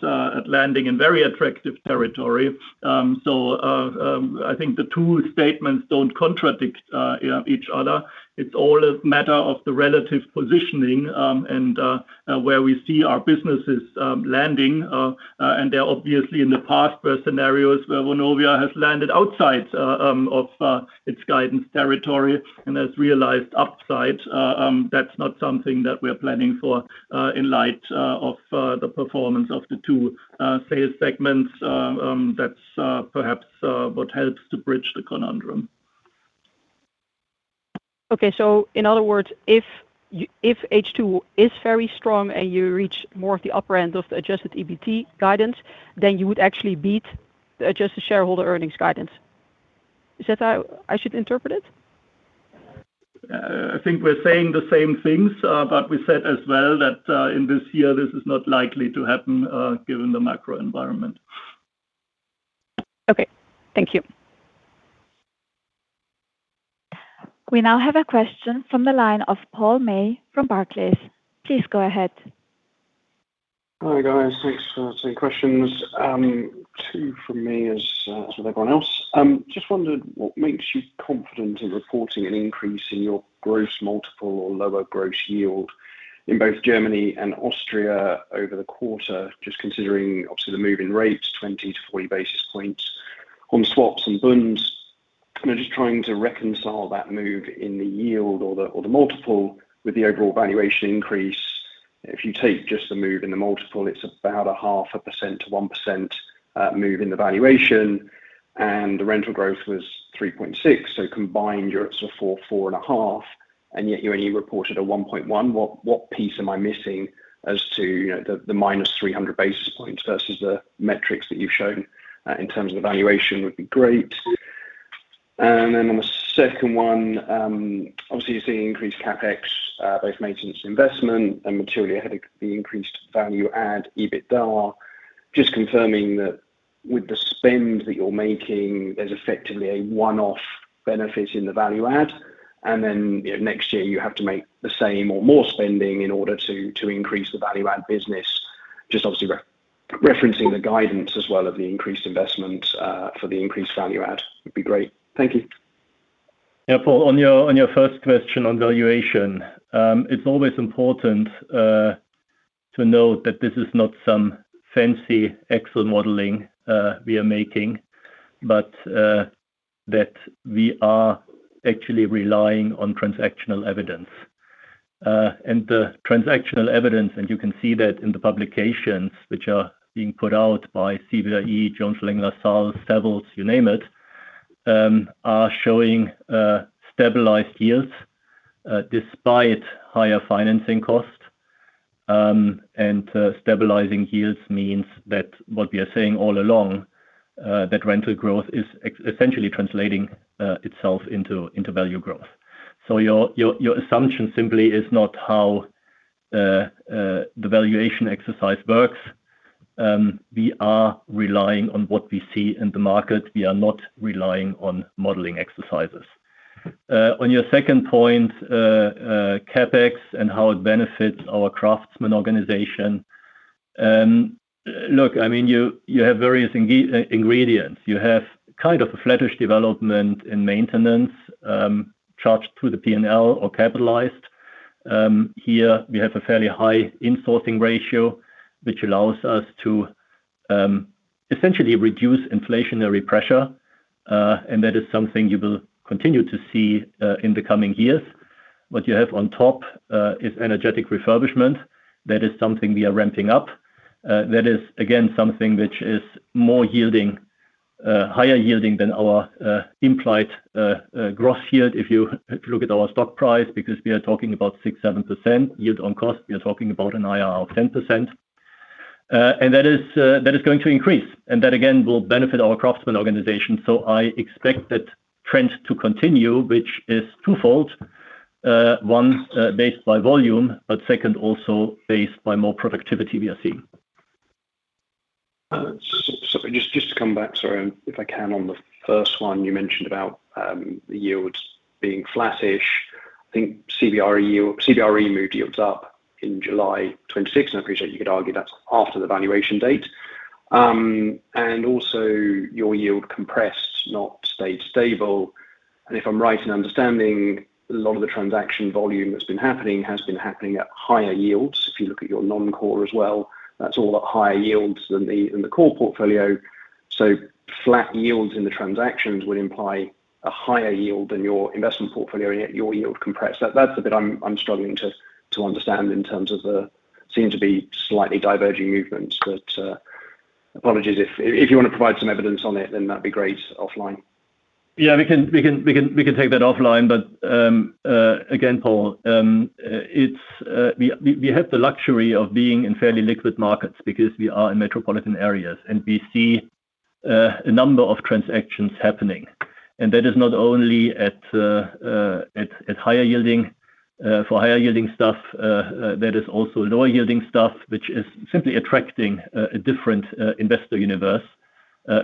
landing in very attractive territory. I think the two statements do not contradict each other. It is all a matter of the relative positioning, and where we see our businesses landing. There are obviously in the past were scenarios where Vonovia has landed outside of its guidance territory and has realized upside. That is not something that we are planning for in light of the performance of the two sales segments. That is perhaps what helps to bridge the conundrum. In other words, if H2 is very strong and you reach more of the upper end of the Adjusted EBT guidance, you would actually beat the Adjusted Shareholder Earnings guidance. Is that how I should interpret it? I think we're saying the same things. We said as well that in this year, this is not likely to happen given the macro environment. Okay. Thank you. We now have a question from the line of Paul May from Barclays. Please go ahead. Hi, guys. Thanks for taking questions. Two from me, as with everyone else. Just wondered what makes you confident in reporting an increase in your gross multiple or lower gross yield in both Germany and Austria over the quarter? Just considering obviously the move in rates 20-40 basis points on swaps and bunds. Just trying to reconcile that move in the yield or the multiple with the overall valuation increase. If you take just the move in the multiple, it's about a 0.5% to 1% move in the valuation, and the rental growth was 3.6%. Combined, you're at sort of 4%, 4.5%, and yet you only reported a 1.1%. What piece am I missing as to the -300 basis points versus the metrics that you've shown in terms of the valuation would be great. On the second one, obviously you're seeing increased CapEx, both maintenance investment and materially ahead of the increased value add EBITDA. Just confirming that with the spend that you're making, there's effectively a one-off benefit in the value add, and then next year you have to make the same or more spending in order to increase the value add business. Just obviously referencing the guidance as well of the increased investment for the increased value add would be great. Thank you. Paul, on your first question on valuation. It's always important to note that this is not some fancy Excel modeling we are making, but that we are actually relying on transactional evidence. The transactional evidence, and you can see that in the publications which are being put out by CBRE, Jones Lang LaSalle, Savills, you name it, are showing stabilized yields despite higher financing costs. Stabilizing yields means that what we are saying all along, that rental growth is essentially translating itself into value growth. Your assumption simply is not how the valuation exercise works. We are relying on what we see in the market. We are not relying on modeling exercises. On your second point, CapEx and how it benefits our craftsman organization. Look, you have various ingredients. You have kind of a flattish development in maintenance charged through the P&L or capitalized. Here we have a fairly high in-sourcing ratio, which allows us to essentially reduce inflationary pressure, and that is something you will continue to see in the coming years. What you have on top is energetic refurbishment. That is something we are ramping up. That is, again, something which is more higher yielding than our implied gross yield, if you look at our stock price, because we are talking about 6%-7% yield on cost. We are talking about an IRR of 10%. That is going to increase, and that again will benefit our craftsman organization. I expect that trend to continue, which is twofold. One, based by volume, but second, also based by more productivity we are seeing. Just to come back, if I can, on the first one you mentioned about the yields being flattish. I think CBRE moved yields up in July 26th, I appreciate you could argue that's after the valuation date. Also your yield compressed, not stayed stable. If I'm right in understanding, a lot of the transaction volume that's been happening has been happening at higher yields. If you look at your non-core as well, that's all at higher yields than the core portfolio. Flat yields in the transactions would imply a higher yield than your investment portfolio, and yet your yield compressed. That's the bit I'm struggling to understand in terms of the seem to be slightly diverging movements. Apologies. If you want to provide some evidence on it, then that'd be great offline. Yeah, we can take that offline. Again, Paul, we have the luxury of being in fairly liquid markets because we are in metropolitan areas, and we see a number of transactions happening. That is not only for higher yielding stuff. That is also lower yielding stuff, which is simply attracting a different investor universe,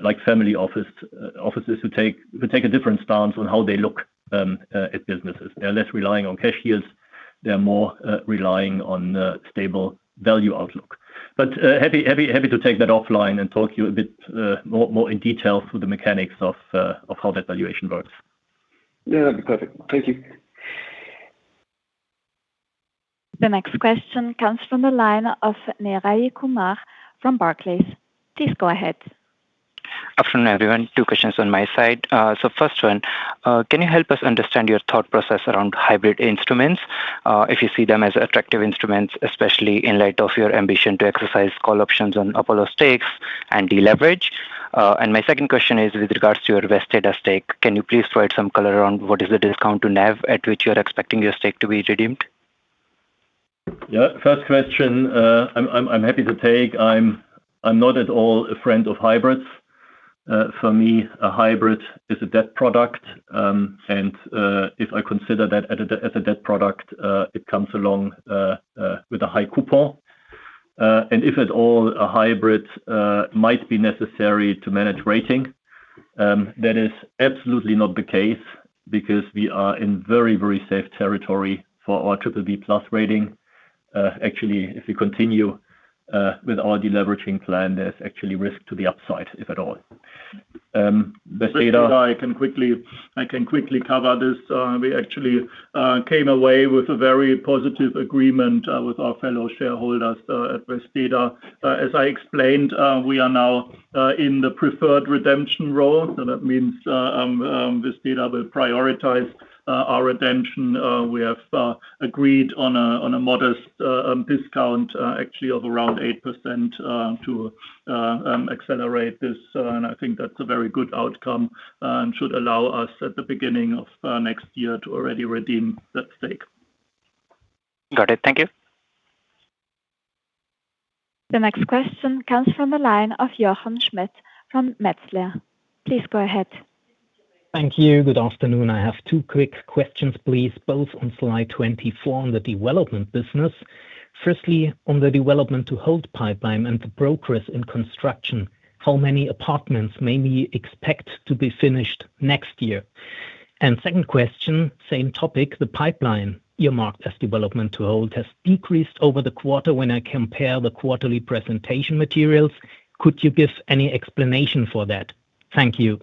like family offices who take a different stance on how they look at businesses. They are less relying on cash yields. They are more relying on stable value outlook. Happy to take that offline and talk to you a bit more in detail through the mechanics of how that valuation works. Yeah, that'd be perfect. Thank you. The next question comes from the line of Neeraj Kumar from Barclays. Please go ahead. Afternoon, everyone. Two questions on my side. First one, can you help us understand your thought process around hybrid instruments, if you see them as attractive instruments, especially in light of your ambition to exercise call options on Apollo stakes and deleverage? My second question is with regards to your Vesteda stake. Can you please provide some color around what is the discount to NAV at which you are expecting your stake to be redeemed? Yeah. First question I'm happy to take. I'm not at all a friend of hybrids. For me, a hybrid is a debt product. If I consider that as a debt product, it comes along with a high coupon. If at all a hybrid might be necessary to manage rating, that is absolutely not the case because we are in very safe territory for our BBB+ rating. Actually, if we continue with our deleveraging plan, there's actually risk to the upside, if at all. Vesteda. I can quickly cover this. We actually came away with a very positive agreement with our fellow shareholders at Vesteda. As I explained, we are now in the preferred redemption road, so that means Vesteda will prioritize our redemption. We have agreed on a modest discount actually of around 8% to accelerate this. I think that's a very good outcome and should allow us at the beginning of next year to already redeem that stake. Got it. Thank you. The next question comes from the line of Jochen Schmitt from Metzler. Please go ahead. Thank you. Good afternoon. I have two quick questions, please, both on slide 24 on the development business. Firstly, on the development to hold pipeline and the progress in construction. How many apartments may we expect to be finished next year? Second question, same topic. The pipeline you marked as development to hold has decreased over the quarter when I compare the quarterly presentation materials. Could you give any explanation for that? Thank you.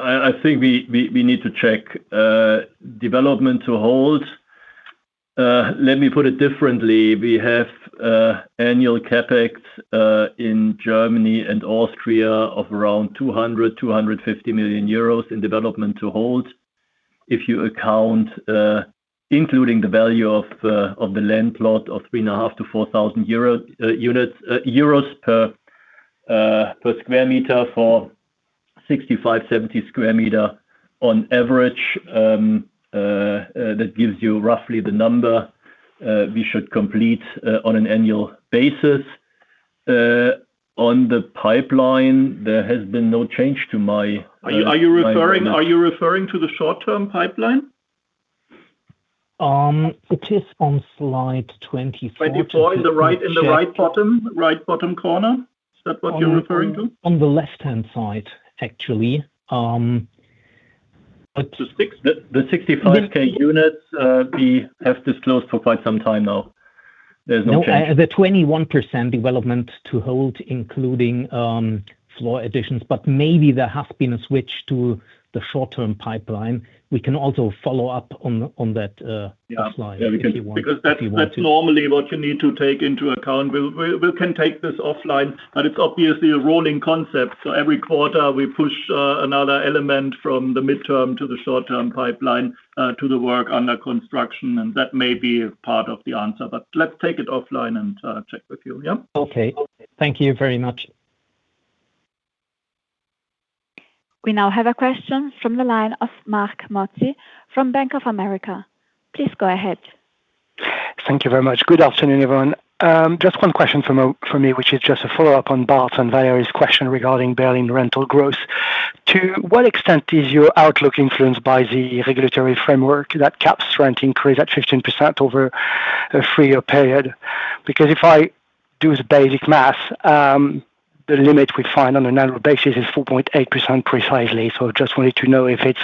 I think we need to check development to hold. Let me put it differently. We have annual CapEx in Germany and Austria of around 200 million-250 million euros in development to hold. If you account, including the value of the land plot of three and a half to EUR 4,000 per sq m for 65-70 sq m on average, that gives you roughly the number we should complete on an annual basis. On the pipeline, there has been no change to my. Are you referring to the short-term pipeline? It is on slide 24. In the right bottom corner? Is that what you're referring to? On the left-hand side, actually. The 65k units we have disclosed for quite some time now. There's no change. No, the 21% development to hold, including floor additions. Maybe there has been a switch to the short-term pipeline. We can also follow up on that slide if you want to. That's normally what you need to take into account. We can take this offline, it's obviously a rolling concept, every quarter we push another element from the midterm to the short-term pipeline to the work under construction, and that may be part of the answer. Let's take it offline and check with you, yeah? Okay. Thank you very much. We now have a question from the line of Marc Mozzi from Bank of America. Please go ahead. Thank you very much. Good afternoon, everyone. Just one question from me, which is just a follow-up on Bart and Valerie's question regarding Berlin rental growth. To what extent is your outlook influenced by the regulatory framework that caps rent increase at 15% over a three-year period? If I do the basic math, the limit we find on an annual basis is 4.8% precisely. Just wanted to know if it's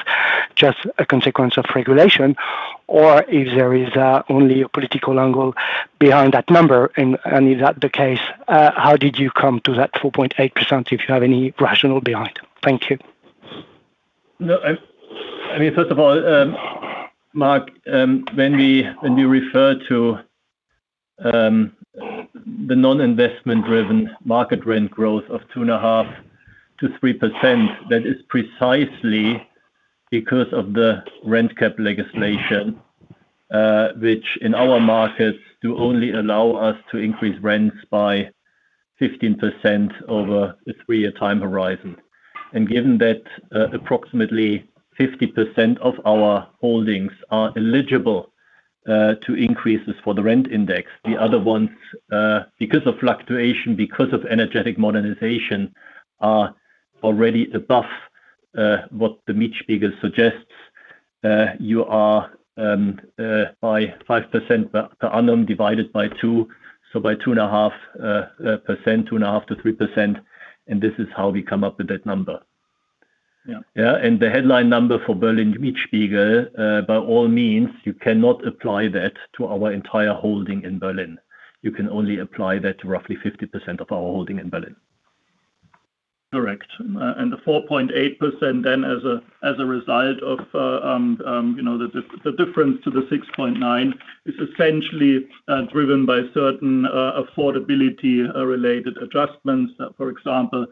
just a consequence of regulation or if there is only a political angle behind that number, and if that the case, how did you come to that 4.8%, if you have any rationale behind? Thank you. First of all, Marc, when we refer to the non-investment driven market rent growth of 2.5%-3%, that is precisely because of the rent cap legislation, which in our markets do only allow us to increase rents by 15% over a three-year time horizon. Given that approximately 50% of our holdings are eligible to increases for the rent index, the other ones, because of fluctuation, because of energetic modernization, are already above what the Mietspiegel suggests. You are by 5%, but per annum divided by 2, so by 2.5%-3%, this is how we come up with that number. The headline number for Berlin Mietspiegel, by all means, you cannot apply that to our entire holding in Berlin. You can only apply that to roughly 50% of our holding in Berlin. Correct. The 4.8% then as a result of the difference to the 6.9% is essentially driven by certain affordability related adjustments. For example,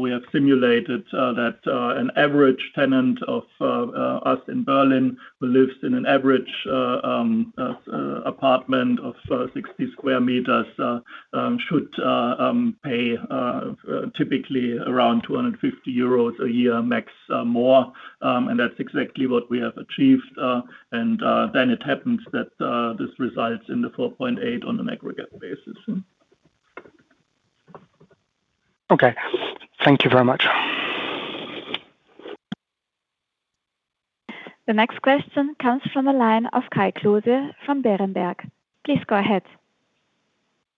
we have simulated that an average tenant of us in Berlin who lives in an average apartment of 60 sq m should pay typically around 250 euros a year max more. That's exactly what we have achieved. Then it happens that this results in the 4.8% on an aggregate basis. Thank you very much. The next question comes from the line of Kai Klose from Berenberg. Please go ahead.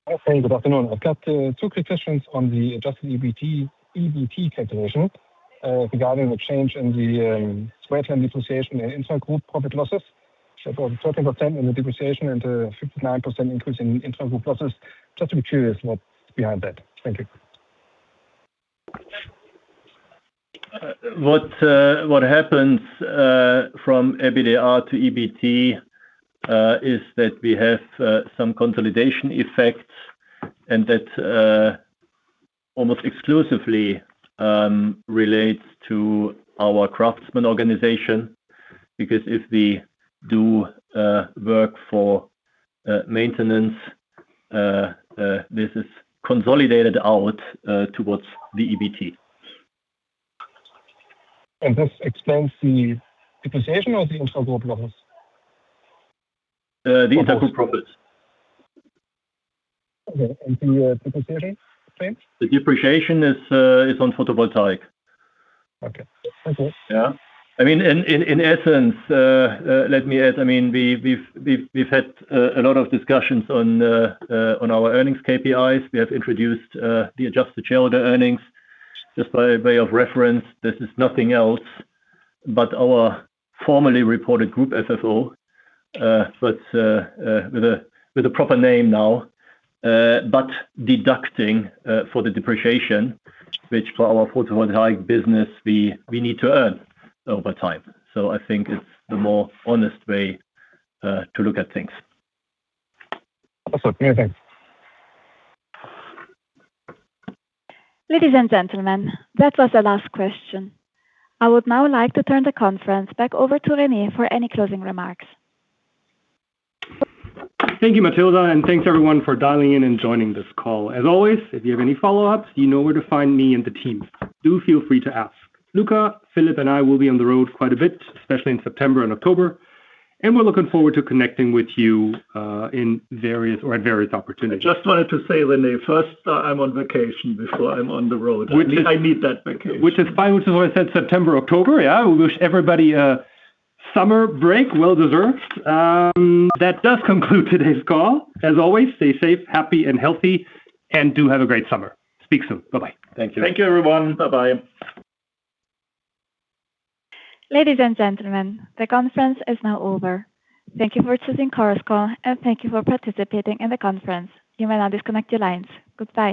Hi. Good afternoon. I've got two quick questions on the adjusted EBT calculation regarding the change in the software depreciation and internal group profit losses. For the 13% in the depreciation and the 59% increase in internal group losses, just to be curious what's behind that. Thank you. What happens from EBITDA to EBT is that we have some consolidation effects, and that almost exclusively relates to our craftsman organization, because if we do work for maintenance, this is consolidated out towards the EBT. This explains the depreciation of the internal group profits? These are group profits. Okay. The depreciation change? The depreciation is on photovoltaic. Okay. Thank you. Yeah. In essence, let me add, we've had a lot of discussions on our earnings KPIs. We have introduced the adjusted shareholder earnings. Just by way of reference, this is nothing else but our formerly reported group FFO, but with a proper name now, but deducting for the depreciation, which for our photovoltaic business, we need to earn over time. I think it's the more honest way to look at things. Awesome. Many thanks. Ladies and gentlemen, that was the last question. I would now like to turn the conference back over to Rene for any closing remarks. Thank you, Matilde, and thanks everyone for dialing in and joining this call. As always, if you have any follow-ups, you know where to find me and the team. Do feel free to ask. Luka, Philip, and I will be on the road quite a bit, especially in September and October, and we're looking forward to connecting with you at various opportunities. I just wanted to say, Rene, first, I'm on vacation before I'm on the road. I need that vacation. Which is fine, which is why I said September, October, yeah. We wish everybody summer break well deserved. That does conclude today's call. As always, stay safe, happy and healthy, and do have a great summer. Speak soon. Bye-bye. Thank you. Thank you everyone. Bye-bye. Ladies and gentlemen, the conference is now over. Thank you for choosing Chorus Call, and thank you for participating in the conference. You may now disconnect your lines. Goodbye